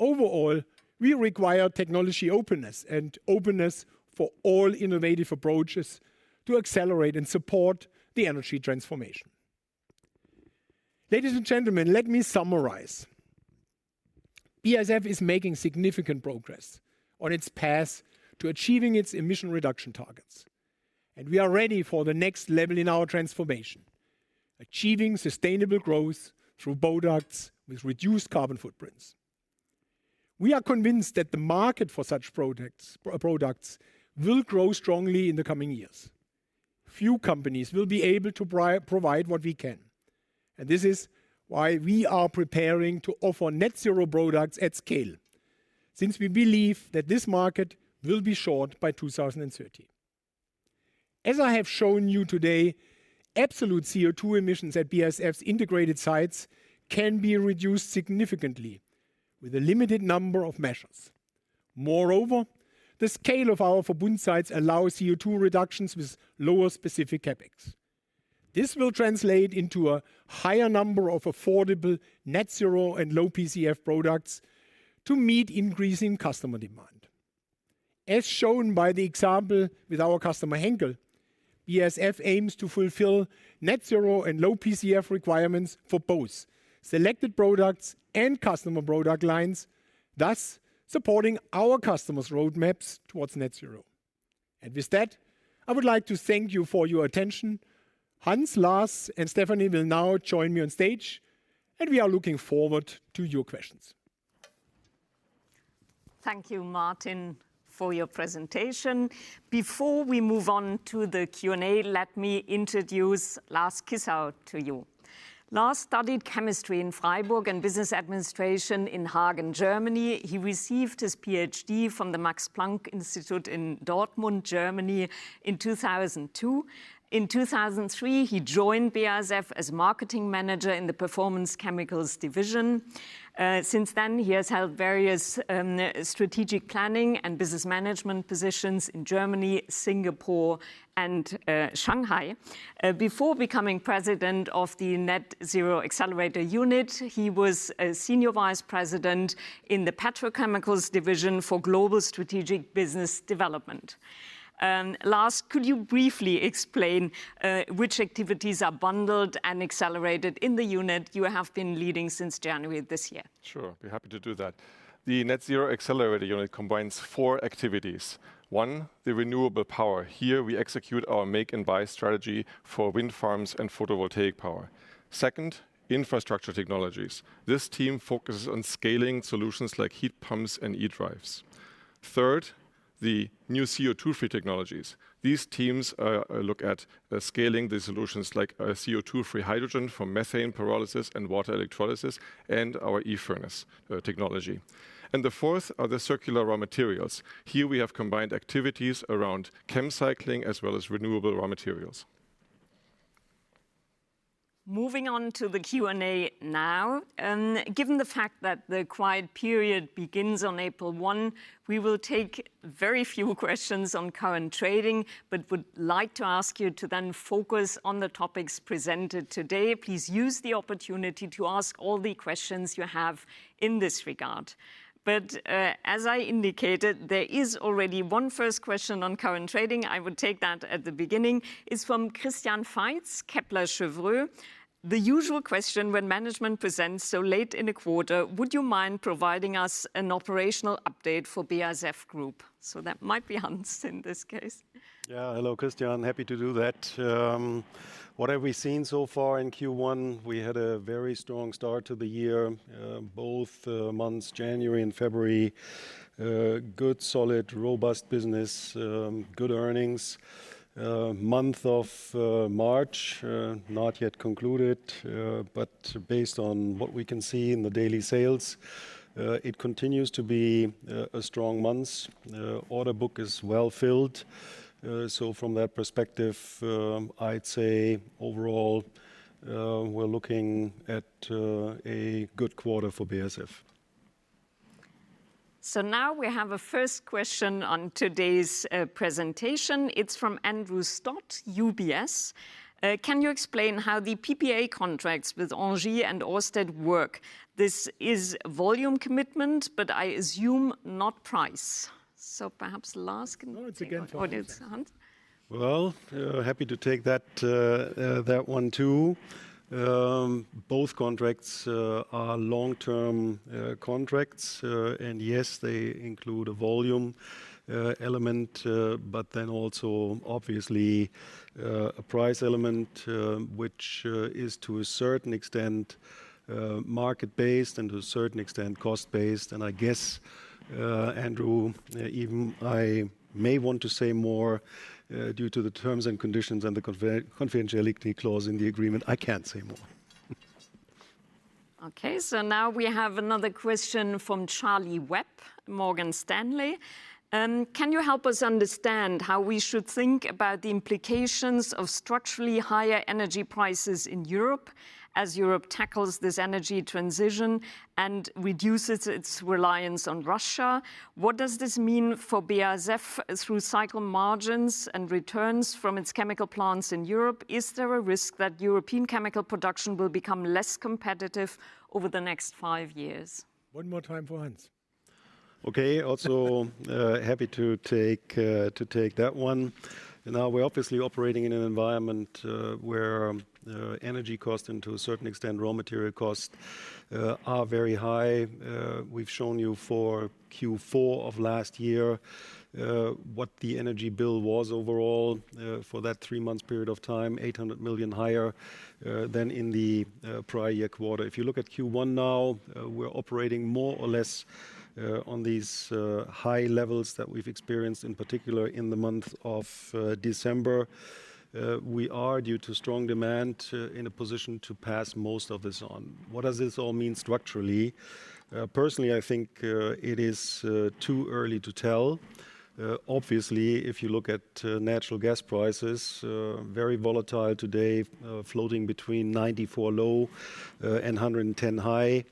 Overall, we require technology openness and openness for all innovative approaches to accelerate and support the energy transformation. Ladies and gentlemen, let me summarize. BASF is making significant progress on its path to achieving its emission reduction targets, and we are ready for the next level in our transformation, achieving sustainable growth through products with reduced carbon footprints. We are convinced that the market for such products will grow strongly in the coming years. Few companies will be able to provide what we can, and this is why we are preparing to offer net zero products at scale, since we believe that this market will be short by 2030. As I have shown you today, absolute CO2 emissions at BASF's integrated sites can be reduced significantly with a limited number of measures. Moreover, the scale of our Verbund sites allow CO2 reductions with lower specific CapEx. This will translate into a higher number of affordable net zero and low PCF products to meet increasing customer demand. As shown by the example with our customer, Henkel, BASF aims to fulfill net-zero and low PCF requirements for both selected products and customer product lines, thus supporting our customers' roadmaps towards net-zero. With that, I would like to thank you for your attention. Hans, Lars, and Stephanie will now join me on stage, and we are looking forward to your questions. Thank you, Martin, for your presentation. Before we move on to the Q&A, let me introduce Lars Kissau to you. Lars studied chemistry in Freiburg and business administration in Hagen, Germany. He received his PhD from the Max Planck Institute in Dortmund, Germany in 2002. In 2003, he joined BASF as marketing manager in the Performance Chemicals Division. Since then, he has held various strategic planning and business management positions in Germany, Singapore, and Shanghai. Before becoming President of the Net Zero Accelerator unit, he was a Senior Vice President in the Petrochemicals Division for Global Strategic Business Development. Lars, could you briefly explain which activities are bundled and accelerated in the unit you have been leading since January of this year? Sure. Be happy to do that. The Net Zero Accelerator unit combines four activities. One, the renewable power. Here, we execute our make-and-buy strategy for wind farms and photovoltaic power. Second, infrastructure technologies. This team focuses on scaling solutions like heat pumps and e-drives. Third, the new CO2-free technologies. These teams look at scaling the solutions like CO2-free hydrogen from methane pyrolysis and water electrolysis and our eFurnace technology. The fourth are the circular raw materials. Here, we have combined activities around ChemCycling as well as renewable raw materials. Moving on to the Q&A now. Given the fact that the quiet period begins on April 1, we will take very few questions on current trading, but would like to ask you to then focus on the topics presented today. Please use the opportunity to ask all the questions you have in this regard. As I indicated, there is already one first question on current trading. I would take that at the beginning. It's from Christian Faitz, Kepler Cheuvreux. The usual question when management presents so late in a quarter, would you mind providing us an operational update for BASF Group? So that might be Hans in this case. Yeah. Hello, Christian. Happy to do that. What have we seen so far in Q1? We had a very strong start to the year. Both months, January and February, good, solid, robust business, good earnings. Month of March, not yet concluded, but based on what we can see in the daily sales, it continues to be a strong month. Order book is well-filled. So from that perspective, I'd say overall, we're looking at a good quarter for BASF. Now we have a first question on today's presentation. It's from Andrew Stott, UBS. Can you explain how the PPA contracts with ENGIE and Ørsted work? This is volume commitment, but I assume not price. Perhaps Lars can- No, it's again for Hans. it's Hans. Well, happy to take that one too. Both contracts are long-term contracts. Yes, they include a volume element, but then also obviously, a price element, which is to a certain extent market-based and to a certain extent cost-based. I guess, Andrew, even I may want to say more, due to the terms and conditions and the confidentiality clause in the agreement, I can't say more. Okay, now we have another question from Charlie Webb, Morgan Stanley. Can you help us understand how we should think about the implications of structurally higher energy prices in Europe as Europe tackles this energy transition and reduces its reliance on Russia? What does this mean for BASF through cycle margins and returns from its chemical plants in Europe? Is there a risk that European chemical production will become less competitive over the next five years? One more time for Hans. Okay. Also, happy to take that one. Now we're obviously operating in an environment where energy cost and to a certain extent, raw material costs are very high. We've shown you for Q4 of last year what the energy bill was overall for that three-month period of time, 800 million higher than in the prior year quarter. If you look at Q1 now, we're operating more or less on these high levels that we've experienced in particular in the month of December. We are due to strong demand in a position to pass most of this on. What does this all mean structurally? Personally, I think it is too early to tell. Obviously, if you look at natural gas prices, very volatile today, floating between 94-110,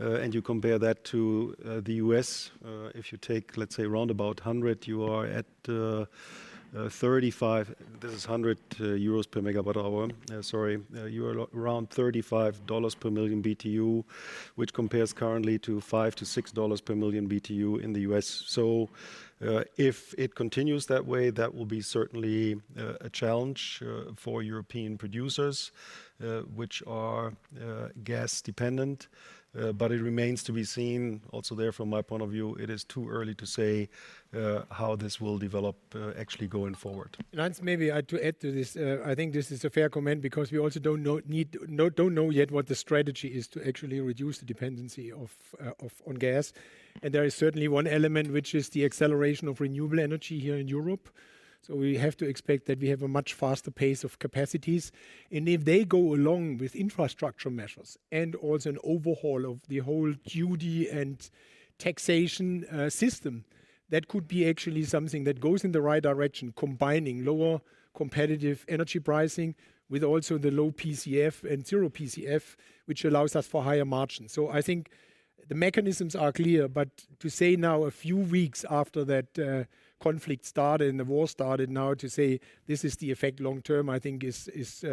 and you compare that to the U.S., if you take, let's say, around about 100, you are at 35. This is 100 EUR/MWh. Sorry. You are around $35 per million BTU, which compares currently to $5-$6 per million BTU in the U.S. If it continues that way, that will be certainly a challenge for European producers, which are gas dependent. It remains to be seen also there, from my point of view. It is too early to say how this will develop actually going forward. Lars, maybe to add to this, I think this is a fair comment because we also don't know yet what the strategy is to actually reduce the dependency of, on gas. There is certainly one element, which is the acceleration of renewable energy here in Europe. We have to expect that we have a much faster pace of capacities. If they go along with infrastructure measures and also an overhaul of the whole duty and taxation, system, that could be actually something that goes in the right direction, combining lower competitive energy pricing with also the low PCF and zero PCF, which allows us for higher margins. I think the mechanisms are clear, but to say now a few weeks after that conflict started and the war started, now to say this is the effect long term, I think is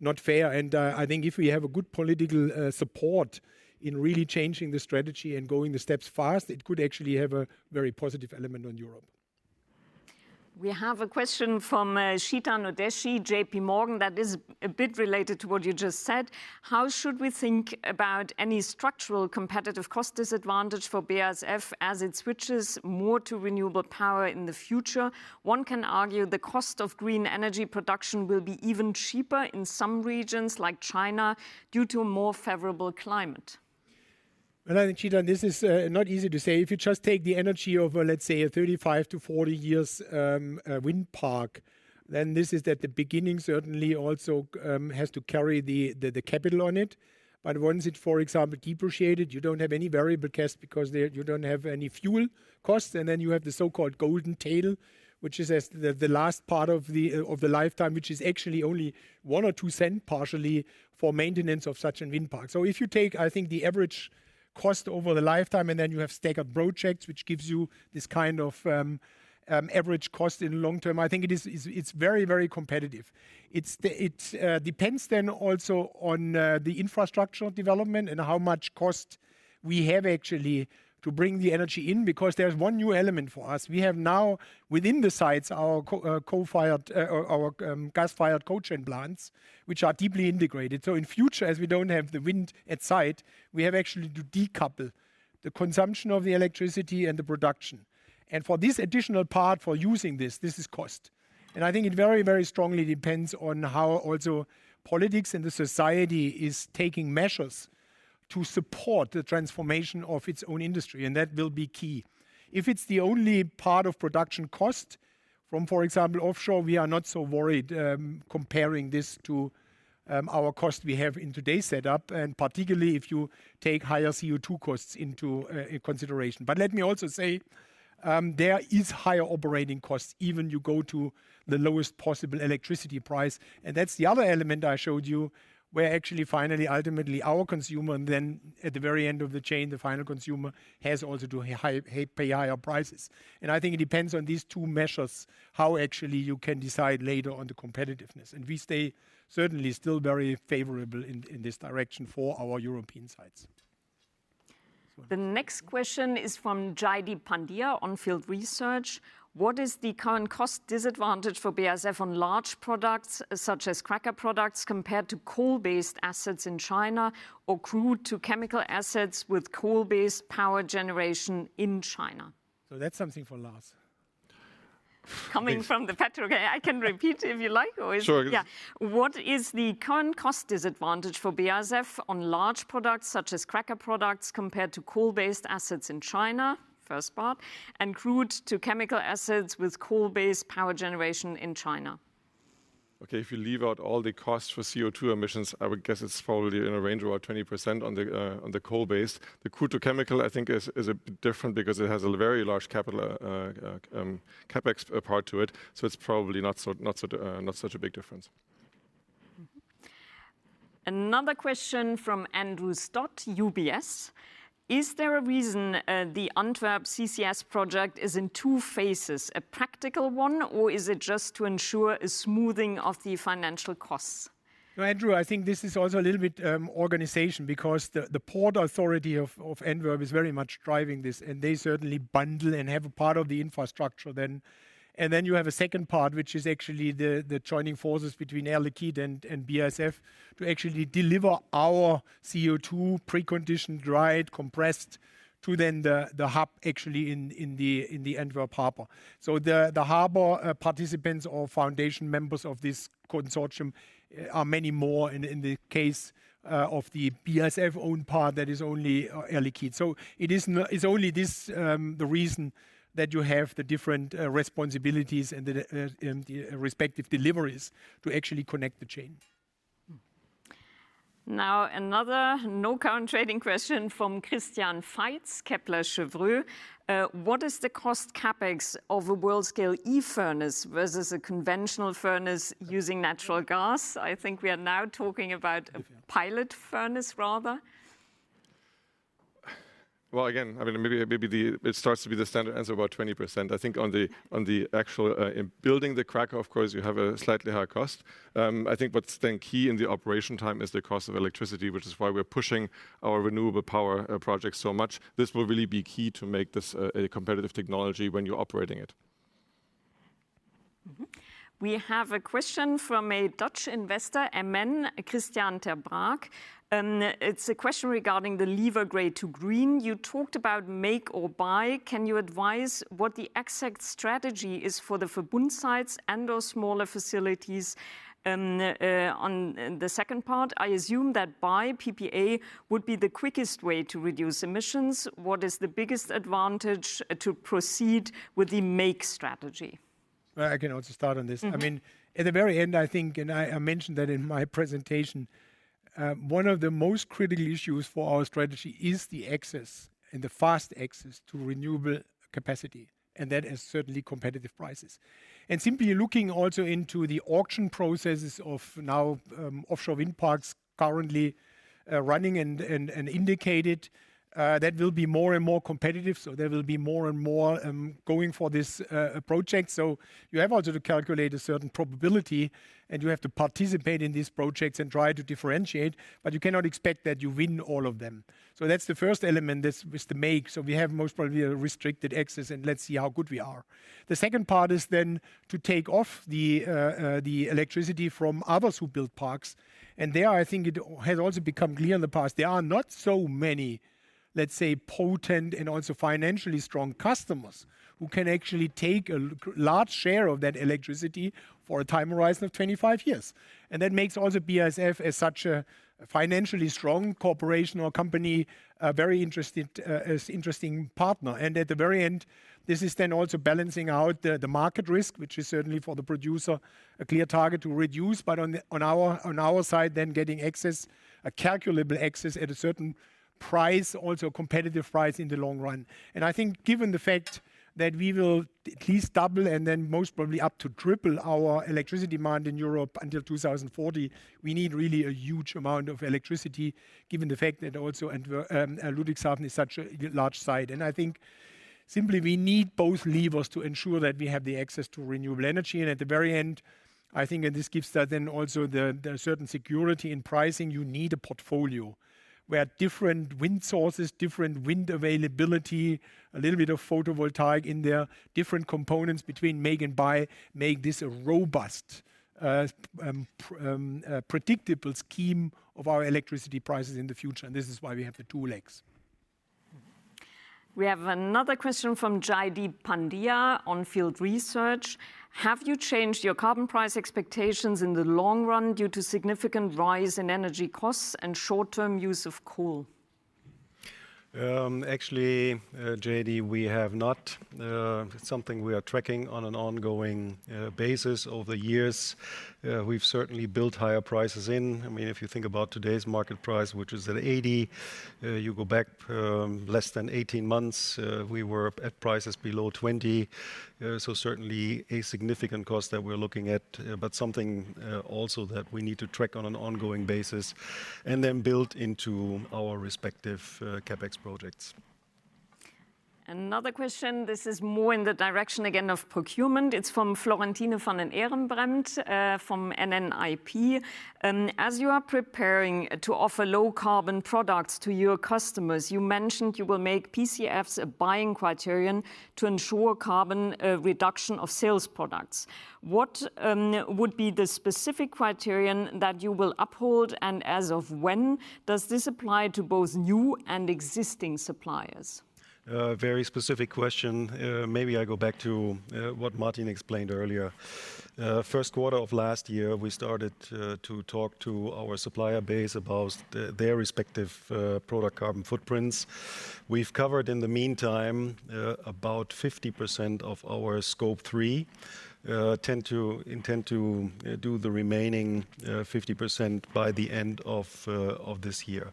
not fair. I think if we have a good political support in really changing the strategy and going the steps fast, it could actually have a very positive element on Europe. We have a question from Chetan Udeshi, JPMorgan, that is a bit related to what you just said. How should we think about any structural competitive cost disadvantage for BASF as it switches more to renewable power in the future? One can argue the cost of green energy production will be even cheaper in some regions like China due to a more favorable climate. Well, I think, Chetan, this is not easy to say. If you just take the energy of, let's say, a 35- to 40-year wind park, then this is at the beginning, certainly also has to carry the capital on it. Once it, for example, depreciated, you don't have any variable cost because there you don't have any fuel costs, and then you have the so-called golden tail, which is, as the last part of the lifetime, which is actually only 0.01 or 0.02 partially for maintenance of such a wind park. If you take, I think, the average cost over the lifetime, and then you have stack-up projects, which gives you this kind of average cost in the long term, I think it's very, very competitive. It depends then also on the infrastructural development and how much cost we have actually to bring the energy in, because there's one new element for us. We have now within the sites our coal-fired or our gas-fired co-gen plants, which are deeply integrated. In future, as we don't have the wind at site, we have actually to decouple the consumption of the electricity and the production. For this additional part, for using this is cost. I think it very, very strongly depends on how also politics and the society is taking measures to support the transformation of its own industry, and that will be key. If it's the only part of production cost from, for example, offshore, we are not so worried, comparing this to our cost we have in today's setup, and particularly if you take higher CO2 costs into consideration. Let me also say, there is higher operating costs, even if you go to the lowest possible electricity price. That's the other element I showed you, where actually finally, ultimately, our consumer and then at the very end of the chain, the final consumer has also to pay higher prices. I think it depends on these two measures, how actually you can decide later on the competitiveness. We stay certainly still very favorable in this direction for our European sites. The next question is from Jaideep Pandya, On Field Research. What is the current cost disadvantage for BASF on large products, such as cracker products, compared to coal-based assets in China or crude to chemical assets with coal-based power generation in China? That's something for Lars. Coming from the petrol guy. I can repeat if you like or is it- Sure, yeah. What is the current cost disadvantage for BASF on large products, such as cracker products, compared to coal-based assets in China? First part. Crude to chemical assets with coal-based power generation in China. Okay. If you leave out all the costs for CO2 emissions, I would guess it's probably in a range about 20% on the coal base. The crude to chemical, I think, is a bit different because it has a very large capital CapEx part to it, so it's probably not such a big difference. Another question from Andrew Stott, UBS: Is there a reason, the Antwerp CCS project is in two phases? A practical one, or is it just to ensure a smoothing of the financial costs? No, Andrew, I think this is also a little bit organizational because the Port Authority of Antwerp is very much driving this, and they certainly bundle and have a part of the infrastructure then. Then you have a second part, which is actually the joining forces between Air Liquide and BASF to actually deliver our CO2 preconditioned, dried, compressed to then the hub actually in the Port of Antwerp. The port participants or founding members of this consortium are many more in the case of the BASF-owned part that is only Air Liquide. It isn't. It's only this, the reason that you have the different responsibilities and the respective deliveries to actually connect the chain. Now, another non-trading question from Christian Faitz, Kepler Cheuvreux: What is the cost CapEx of a world-scale eFurnace versus a conventional furnace using natural gas? I think we are now talking about a pilot furnace, rather. Well, again, I mean, maybe it starts to be the standard answer about 20%. I think on the actual, in building the cracker, of course, you have a slightly higher cost. I think what's then key in the operation time is the cost of electricity, which is why we're pushing our renewable power project so much. This will really be key to make this a competitive technology when you're operating it. We have a question from a Dutch investor, MN, Christiaan ter Braak, and it's a question regarding the lever gray to green. You talked about make or buy. Can you advise what the exact strategy is for the Verbund sites and those smaller facilities? On the second part, I assume that buy PPA would be the quickest way to reduce emissions. What is the biggest advantage to proceed with the make strategy? I can also start on this. Mm-hmm. I mean, at the very end, I think, and I mentioned that in my presentation, one of the most critical issues for our strategy is the access and the fast access to renewable capacity, and that is certainly competitive prices. Simply looking also into the auction processes of now, offshore wind parks currently running and indicated, that will be more and more competitive, there will be more and more going for this project. You have also to calculate a certain probability, and you have to participate in these projects and try to differentiate, but you cannot expect that you win all of them. That's the first element, this is the make. We have most probably a restricted access, and let's see how good we are. The second part is then to take off the electricity from others who build parks. There I think it has also become clear in the past, there are not so many, let's say, potent and also financially strong customers who can actually take a large share of that electricity for a time horizon of 25 years. That makes also BASF, as such a financially strong corporation or company, a very interesting partner. At the very end, this is then also balancing out the market risk, which is certainly for the producer, a clear target to reduce. On our side then getting access, a calculable access at a certain price, also competitive price in the long run. I think given the fact that we will at least double and then most probably up to triple our electricity demand in Europe until 2040, we need really a huge amount of electricity given the fact that also Antwerp, Ludwigshafen is such a large site. I think simply we need both levers to ensure that we have the access to renewable energy. At the very end, I think, and this gives that then also the certain security in pricing, you need a portfolio where different wind sources, different wind availability, a little bit of photovoltaic in there, different components between make and buy this a robust, predictable scheme of our electricity prices in the future. This is why we have the two legs. We have another question from Jaideep Pandya, On Field Research. Have you changed your carbon price expectations in the long run due to significant rise in energy costs and short-term use of coal? Actually, Jaideep, we have not. Something we are tracking on an ongoing basis over the years. We've certainly built higher prices in. I mean, if you think about today's market price, which is at $80, you go back less than 18 months, we were at prices below $20, so certainly a significant cost that we're looking at, but something also that we need to track on an ongoing basis and then build into our respective CapEx projects. Another question, this is more in the direction again of procurement. It's from Florentine van den Eerenbeemt from NNIP. As you are preparing to offer low carbon products to your customers, you mentioned you will make PCFs a buying criterion to ensure carbon reduction of sales products. What would be the specific criterion that you will uphold, and as of when does this apply to both new and existing suppliers? A very specific question. Maybe I go back to what Martin explained earlier. First quarter of last year, we started to talk to our supplier base about their respective product carbon footprints. We've covered in the meantime about 50% of our Scope 3. Intend to do the remaining 50% by the end of this year.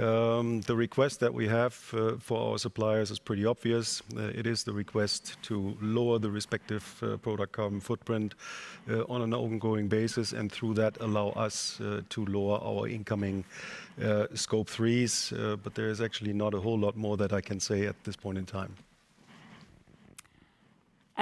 The request that we have for our suppliers is pretty obvious. It is the request to lower the respective product carbon footprint on an ongoing basis, and through that allow us to lower our incoming Scope 3s. There is actually not a whole lot more that I can say at this point in time.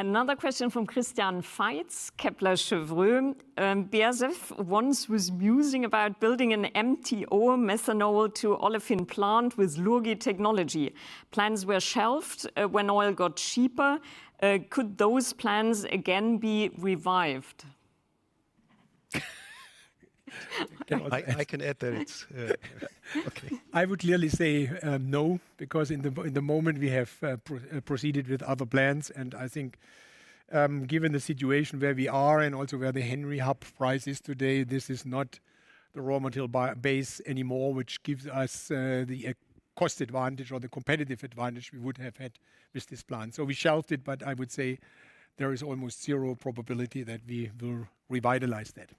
Another question from Christian Faitz, Kepler Cheuvreux. "BASF once was musing about building an MTO, methanol to olefin plant, with Lurgi technology. Plans were shelved when oil got cheaper. Could those plans again be revived?" Can I answer? I can add that it's okay. I would clearly say no, because in the moment we have proceeded with other plans. I think, given the situation where we are and also where the Henry Hub price is today, this is not the raw material base anymore, which gives us the cost advantage or the competitive advantage we would have had with this plan. We shelved it, but I would say there is almost zero probability that we will revitalize that.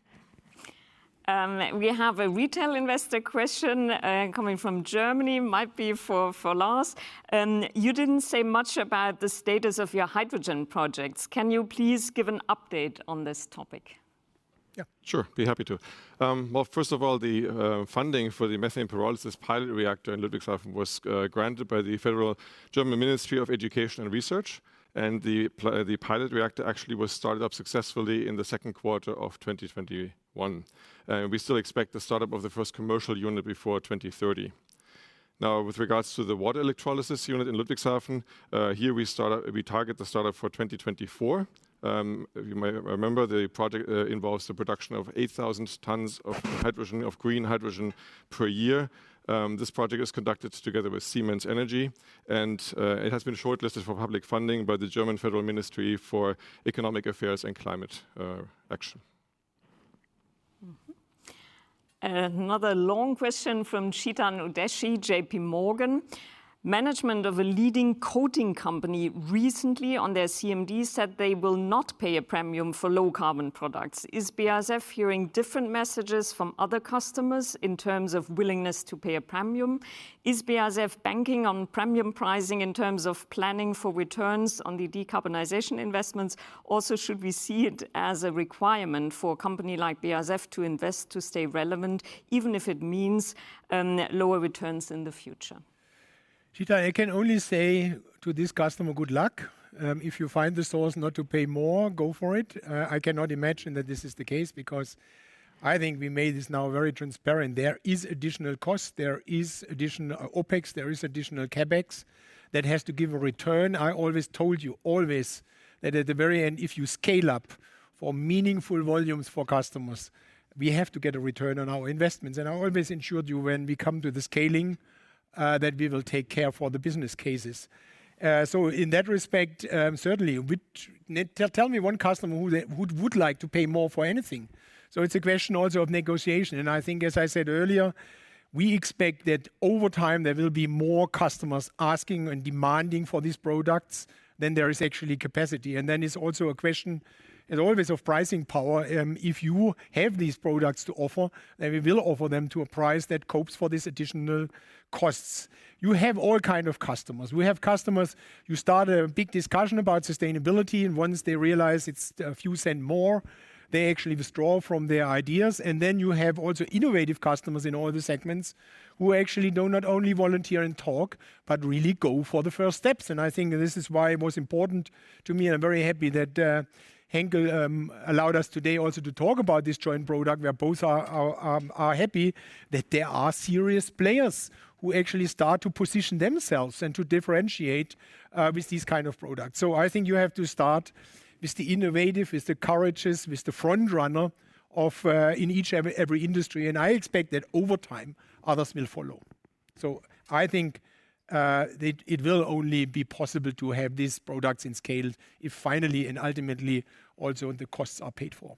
We have a retail investor question coming from Germany, might be for Lars. "You didn't say much about the status of your hydrogen projects. Can you please give an update on this topic?" Yeah. Sure. Be happy to. Well, first of all, the funding for the methane pyrolysis pilot reactor in Ludwigshafen was granted by the Federal Ministry of Education and Research, and the pilot reactor actually was started up successfully in the second quarter of 2021. We still expect the startup of the first commercial unit before 2030. Now, with regards to the water electrolysis unit in Ludwigshafen, we target the startup for 2024. You may remember the project involves the production of 8,000 tons of hydrogen, of green hydrogen per year. This project is conducted together with Siemens Energy, and it has been shortlisted for public funding by the German Federal Ministry for Economic Affairs and Climate Action. Mm-hmm. Another long question from Chetan Udeshi, JPMorgan. "Management of a leading coating company recently on their CMD said they will not pay a premium for low-carbon products. Is BASF hearing different messages from other customers in terms of willingness to pay a premium? Is BASF banking on premium pricing in terms of planning for returns on the decarbonization investments? Also, should we see it as a requirement for a company like BASF to invest to stay relevant, even if it means lower returns in the future?"5 Chetan, I can only say to this customer, good luck. If you find the source not to pay more, go for it. I cannot imagine that this is the case because I think we made this now very transparent. There is additional cost. There is additional OpEx. There is additional CapEx that has to give a return. I always told you that at the very end, if you scale up for meaningful volumes for customers, we have to get a return on our investments. I always assured you when we come to the scaling that we will take care for the business cases. In that respect, certainly. Tell me one customer who would like to pay more for anything. It's a question also of negotiation, and I think, as I said earlier, we expect that over time there will be more customers asking and demanding for these products than there is actually capacity. It's also a question as always of pricing power. If you have these products to offer, then we will offer them to a price that covers these additional costs. You have all kinds of customers. We have customers, you start a big discussion about sustainability, and once they realize it's a few cents more, they actually withdraw from their ideas. You have also innovative customers in all the segments who actually do not only volunteer and talk, but really go for the first steps. I think this is why it was important to me, and I'm very happy that Henkel allowed us today also to talk about this joint product. We are both happy that there are serious players who actually start to position themselves and to differentiate with these kind of products. I think you have to start with the innovative, with the courageous, with the front runner in every industry. I expect that over time others will follow. I think that it will only be possible to have these products in scale if finally and ultimately also the costs are paid for.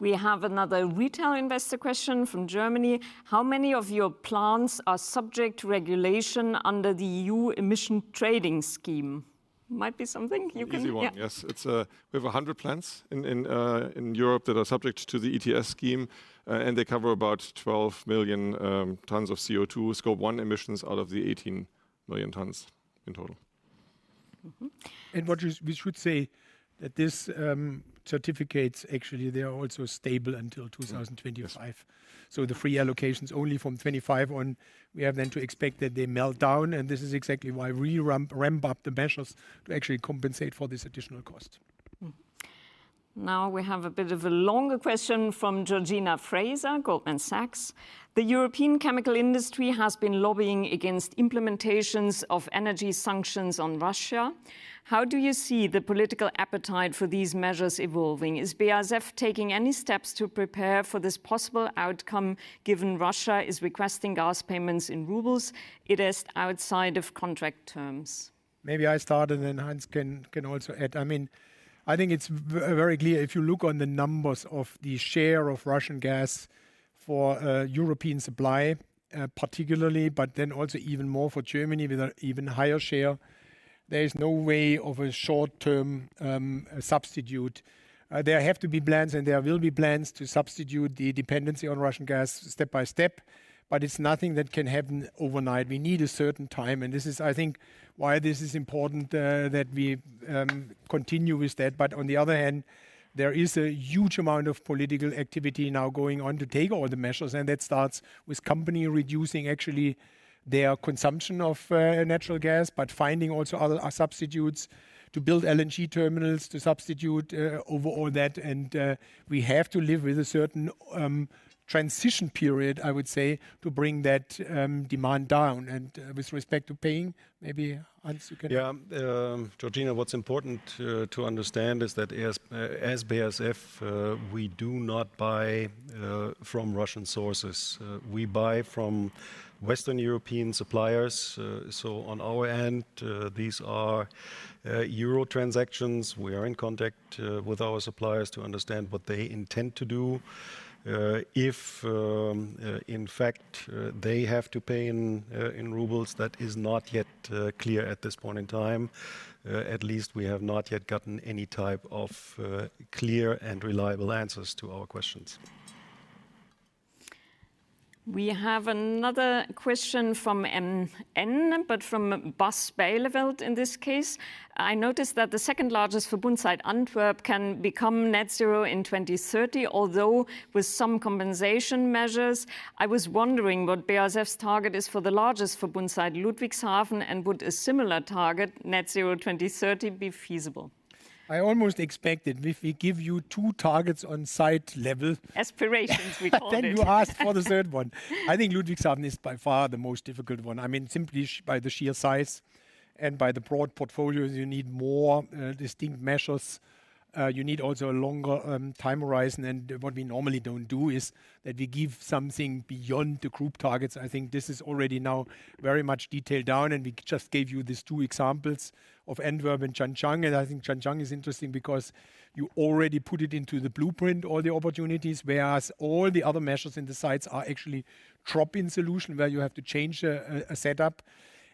We have another retail investor question from Germany: "How many of your plants are subject to regulation under the EU Emissions Trading System?" Might be something you can- An easy one. Yeah. Yes. We have 100 plants in Europe that are subject to the ETS scheme. They cover about 12 million tons of CO2 Scope 1 emissions out of the 18 million tons in total. Mm-hmm. What we should say that these certificates actually they are also stable until 2025. Yes. The free allocations only from 25 on, we have then to expect that they melt down, and this is exactly why we ramp up the measures to actually compensate for this additional cost. Now we have a bit of a longer question from Georgina Fraser, Goldman Sachs: The European chemical industry has been lobbying against implementations of energy sanctions on Russia. How do you see the political appetite for these measures evolving? Is BASF taking any steps to prepare for this possible outcome, given Russia is requesting gas payments in rubles? It is outside of contract terms. Maybe I start, and then Hans can also add. I mean, I think it's very clear if you look on the numbers of the share of Russian gas for European supply, particularly, but then also even more for Germany with an even higher share, there is no way of a short-term substitute. There have to be plans and there will be plans to substitute the dependency on Russian gas step by step, but it's nothing that can happen overnight. We need a certain time, and this is, I think, why this is important, that we continue with that. On the other hand, there is a huge amount of political activity now going on to take all the measures, and that starts with companies reducing actually their consumption of natural gas, but finding also other substitutes to build LNG terminals to substitute overall that. We have to live with a certain transition period, I would say, to bring that demand down. With respect to paying, maybe, Hans, you can- Yeah. Georgina, what's important to understand is that as BASF, we do not buy from Russian sources. We buy from Western European suppliers. On our end, these are euro transactions. We are in contact with our suppliers to understand what they intend to do. If in fact they have to pay in rubles, that is not yet clear at this point in time. At least we have not yet gotten any type of clear and reliable answers to our questions. We have another question from an MN, but from Bas Bijleveld in this case: I noticed that the second largest Verbund site, Antwerp, can become Net Zero in 2030, although with some compensation measures. I was wondering what BASF's target is for the largest Verbund site, Ludwigshafen, and would a similar target, net zero 2030, be feasible? I almost expected if we give you two targets on site level. Aspirations, we called it. You ask for the third one. I think Ludwigshafen is by far the most difficult one. I mean, simply by the sheer size and by the broad portfolios, you need more distinct measures. You need also a longer time horizon. What we normally don't do is that we give something beyond the group targets. I think this is already now very much detailed down, and we just gave you these two examples of Antwerp and Zhanjiang. I think Zhanjiang is interesting because you already put it into the blueprint all the opportunities, whereas all the other measures in the sites are actually drop-in solution where you have to change a setup.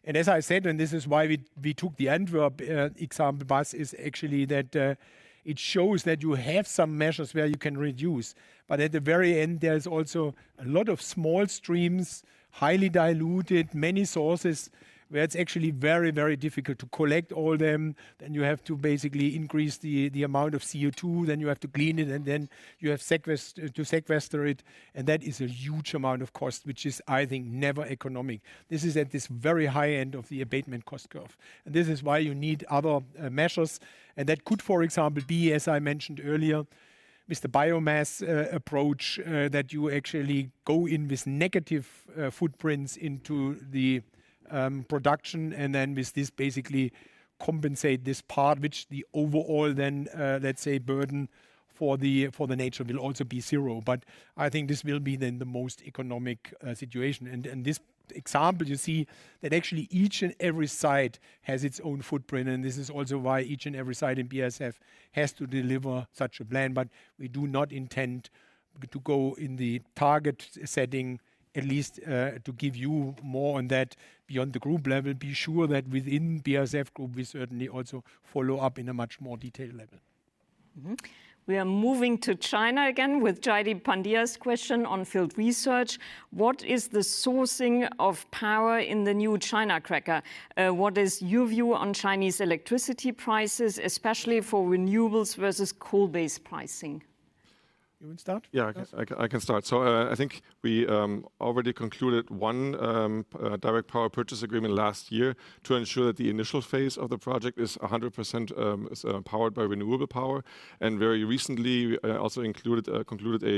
As I said, this is why we took the Antwerp example, BASF, is actually that it shows that you have some measures where you can reduce. At the very end, there's also a lot of small streams, highly diluted, many sources where it's actually very, very difficult to collect all them. Then you have to basically increase the amount of CO2, then you have to clean it, and then you have to sequester it. That is a huge amount of cost, which is, I think, never economic. This is at this very high end of the abatement cost curve. This is why you need other measures. That could, for example, be, as I mentioned earlier, with the biomass approach, that you actually go in with negative footprints into the production and then with this basically compensate this part which the overall then let's say burden for the nature will also be zero. I think this will be then the most economic situation. This example, you see that actually each and every site has its own footprint, and this is also why each and every site in BASF has to deliver such a plan. We do not intend to go in the target setting, at least, to give you more on that beyond the group level. Be sure that within BASF Group, we certainly also follow up in a much more detailed level. We are moving to China again with Jaideep Pandya's question On Field Investment Research: What is the sourcing of power in the new China cracker? What is your view on Chinese electricity prices, especially for renewables versus coal-based pricing? You want to start, Hans? Yeah, I can start. I think we already concluded one direct power purchase agreement last year to ensure that the initial phase of the project is 100% powered by renewable power. Very recently, also concluded a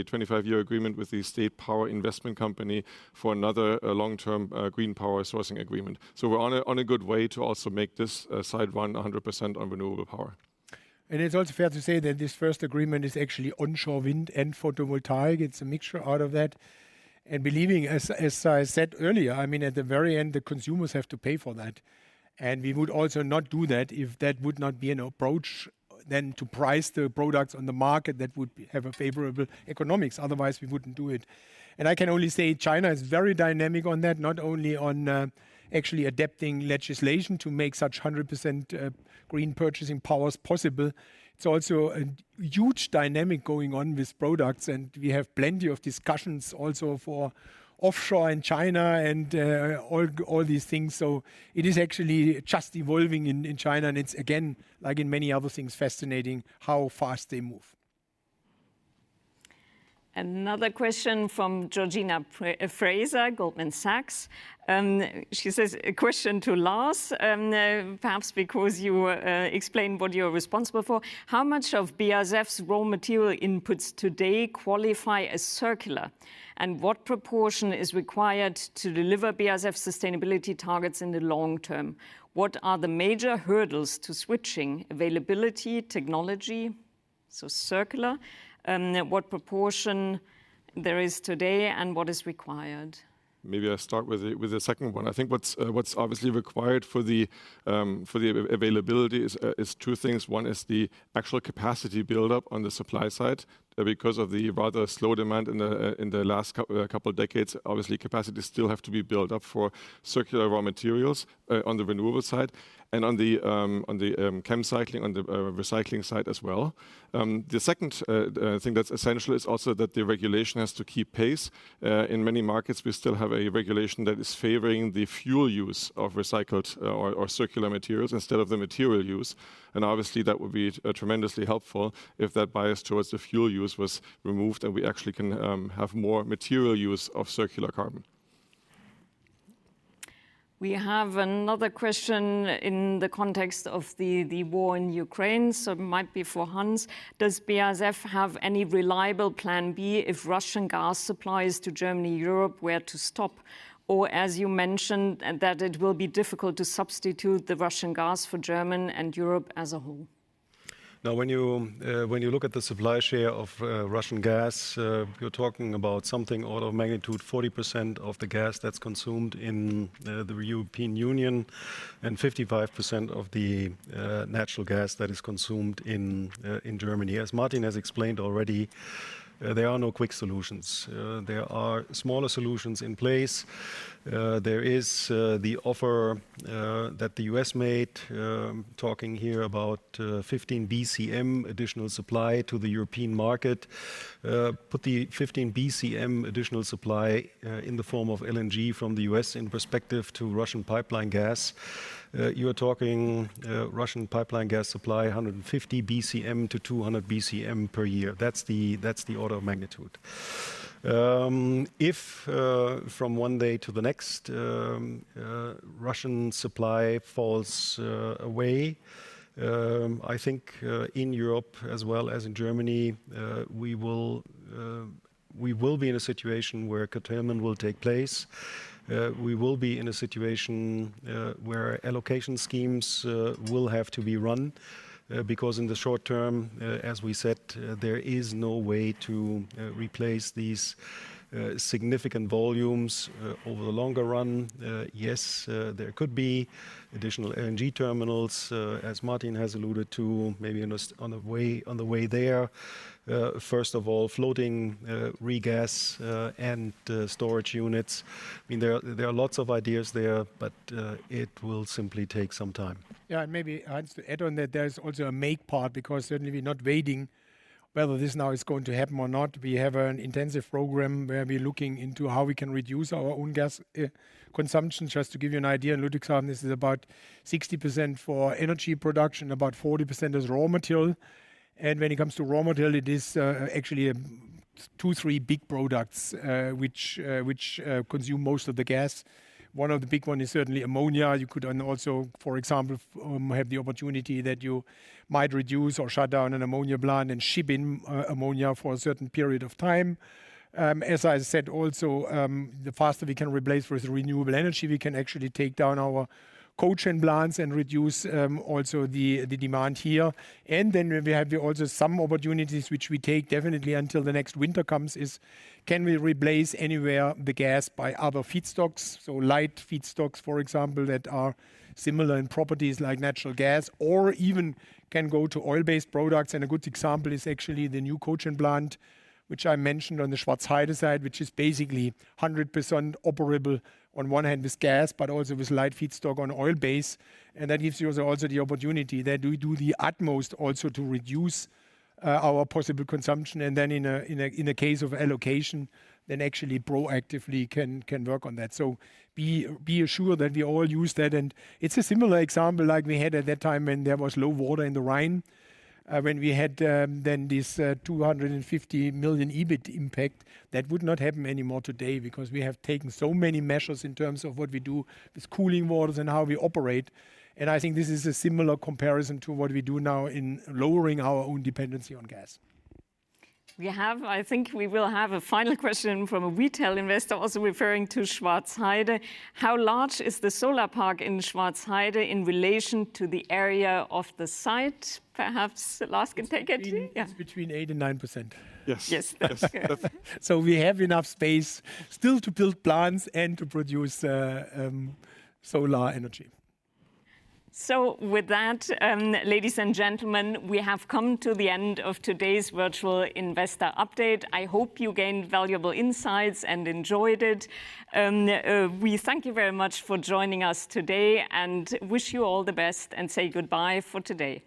25-year agreement with the State Power Investment Company for another long-term green power sourcing agreement. We're on a good way to also make this Site One 100% on renewable power. It's also fair to say that this first agreement is actually onshore wind and photovoltaic. It's a mixture out of that. Believing, as I said earlier, I mean, at the very end, the consumers have to pay for that. We would also not do that if that would not be an approach then to price the products on the market that would have a favorable economics. Otherwise, we wouldn't do it. I can only say China is very dynamic on that, not only on actually adapting legislation to make such 100% green purchasing powers possible. It's also a huge dynamic going on with products, and we have plenty of discussions also for offshore in China and all these things. It is actually just evolving in China, and it's again, like in many other things, fascinating how fast they move. Another question from Georgina Fraser, Goldman Sachs. She says, "A question to Lars, perhaps because you explained what you're responsible for. How much of BASF's raw material inputs today qualify as circular? What proportion is required to deliver BASF sustainability targets in the long term? What are the major hurdles to switching to circular, and what proportion there is today, and what is required?" Maybe I start with the second one. I think what's obviously required for the availability is two things. One is the actual capacity buildup on the supply side, because of the rather slow demand in the last couple decades. Obviously, capacity still have to be built up for circular raw materials, on the renewable side and on the ChemCycling, on the recycling side as well. The second thing that's essential is also that the regulation has to keep pace. In many markets we still have a regulation that is favoring the fuel use of recycled or circular materials instead of the material use, and obviously that would be tremendously helpful if that bias towards the fuel use was removed and we actually can have more material use of circular carbon. We have another question in the context of the war in Ukraine, so might be for Hans. Does BASF have any reliable plan B if Russian gas supplies to Germany, Europe were to stop, or as you mentioned, that it will be difficult to substitute the Russian gas for German and Europe as a whole? Now, when you look at the supply share of Russian gas, you're talking about something order of magnitude 40% of the gas that's consumed in the European Union and 55% of the natural gas that is consumed in Germany. As Martin has explained already, there are no quick solutions. There are smaller solutions in place. There is the offer that the U.S. made, talking here about 15 BCM additional supply to the European market. Put the 15 BCM additional supply in the form of LNG from the U.S. in perspective to Russian pipeline gas. You're talking Russian pipeline gas supply, 150 BCM-200 BCM per year. That's the order of magnitude. If from one day to the next Russian supply falls away, I think in Europe as well as in Germany we will be in a situation where curtailment will take place. We will be in a situation where allocation schemes will have to be run because in the short term, as we said, there is no way to replace these significant volumes. Over the longer run, yes, there could be additional LNG terminals as Martin has alluded to, maybe on the way there. First of all, floating regasification and storage units. I mean, there are lots of ideas there, but it will simply take some time. Yeah. Maybe, Hans, to add on that there is also a make part because certainly we're not waiting whether this now is going to happen or not. We have an intensive program where we're looking into how we can reduce our own gas consumption. Just to give you an idea, Ludwigshafen, this is about 60% for energy production, about 40% is raw material. When it comes to raw material, it is actually two-three big products which consume most of the gas. One of the big one is certainly ammonia. You could and also, for example, have the opportunity that you might reduce or shut down an ammonia plant and ship ammonia for a certain period of time. As I said also, the faster we can replace with renewable energy, we can actually take down our co-gen plants and reduce also the demand here. We have also some opportunities which we take definitely until the next winter comes, can we replace anywhere the gas by other feedstocks? Light feedstocks, for example, that are similar in properties like natural gas or even can go to oil-based products. A good example is actually the new co-gen plant, which I mentioned on the Schwarzheide side, which is basically 100% operable on one hand with gas, but also with light feedstock on oil base. That gives you as also the opportunity that we do the utmost also to reduce our possible consumption and then in a case of allocation, then actually proactively can work on that. Be assured that we all use that. It's a similar example like we had at that time when there was low water in the Rhine, when we had then this 250 million EBIT impact. That would not happen anymore today because we have taken so many measures in terms of what we do with cooling waters and how we operate, and I think this is a similar comparison to what we do now in lowering our own dependency on gas. We have, I think we will have a final question from a retail investor also referring to Schwarzheide. How large is the solar park in Schwarzheide in relation to the area of the site? Perhaps Lars can take it? It's between 8% and 9%. Yes. Yes. We have enough space still to build plants and to produce solar energy. With that, ladies and gentlemen, we have come to the end of today's virtual investor update. I hope you gained valuable insights and enjoyed it. We thank you very much for joining us today and wish you all the best and say goodbye for today.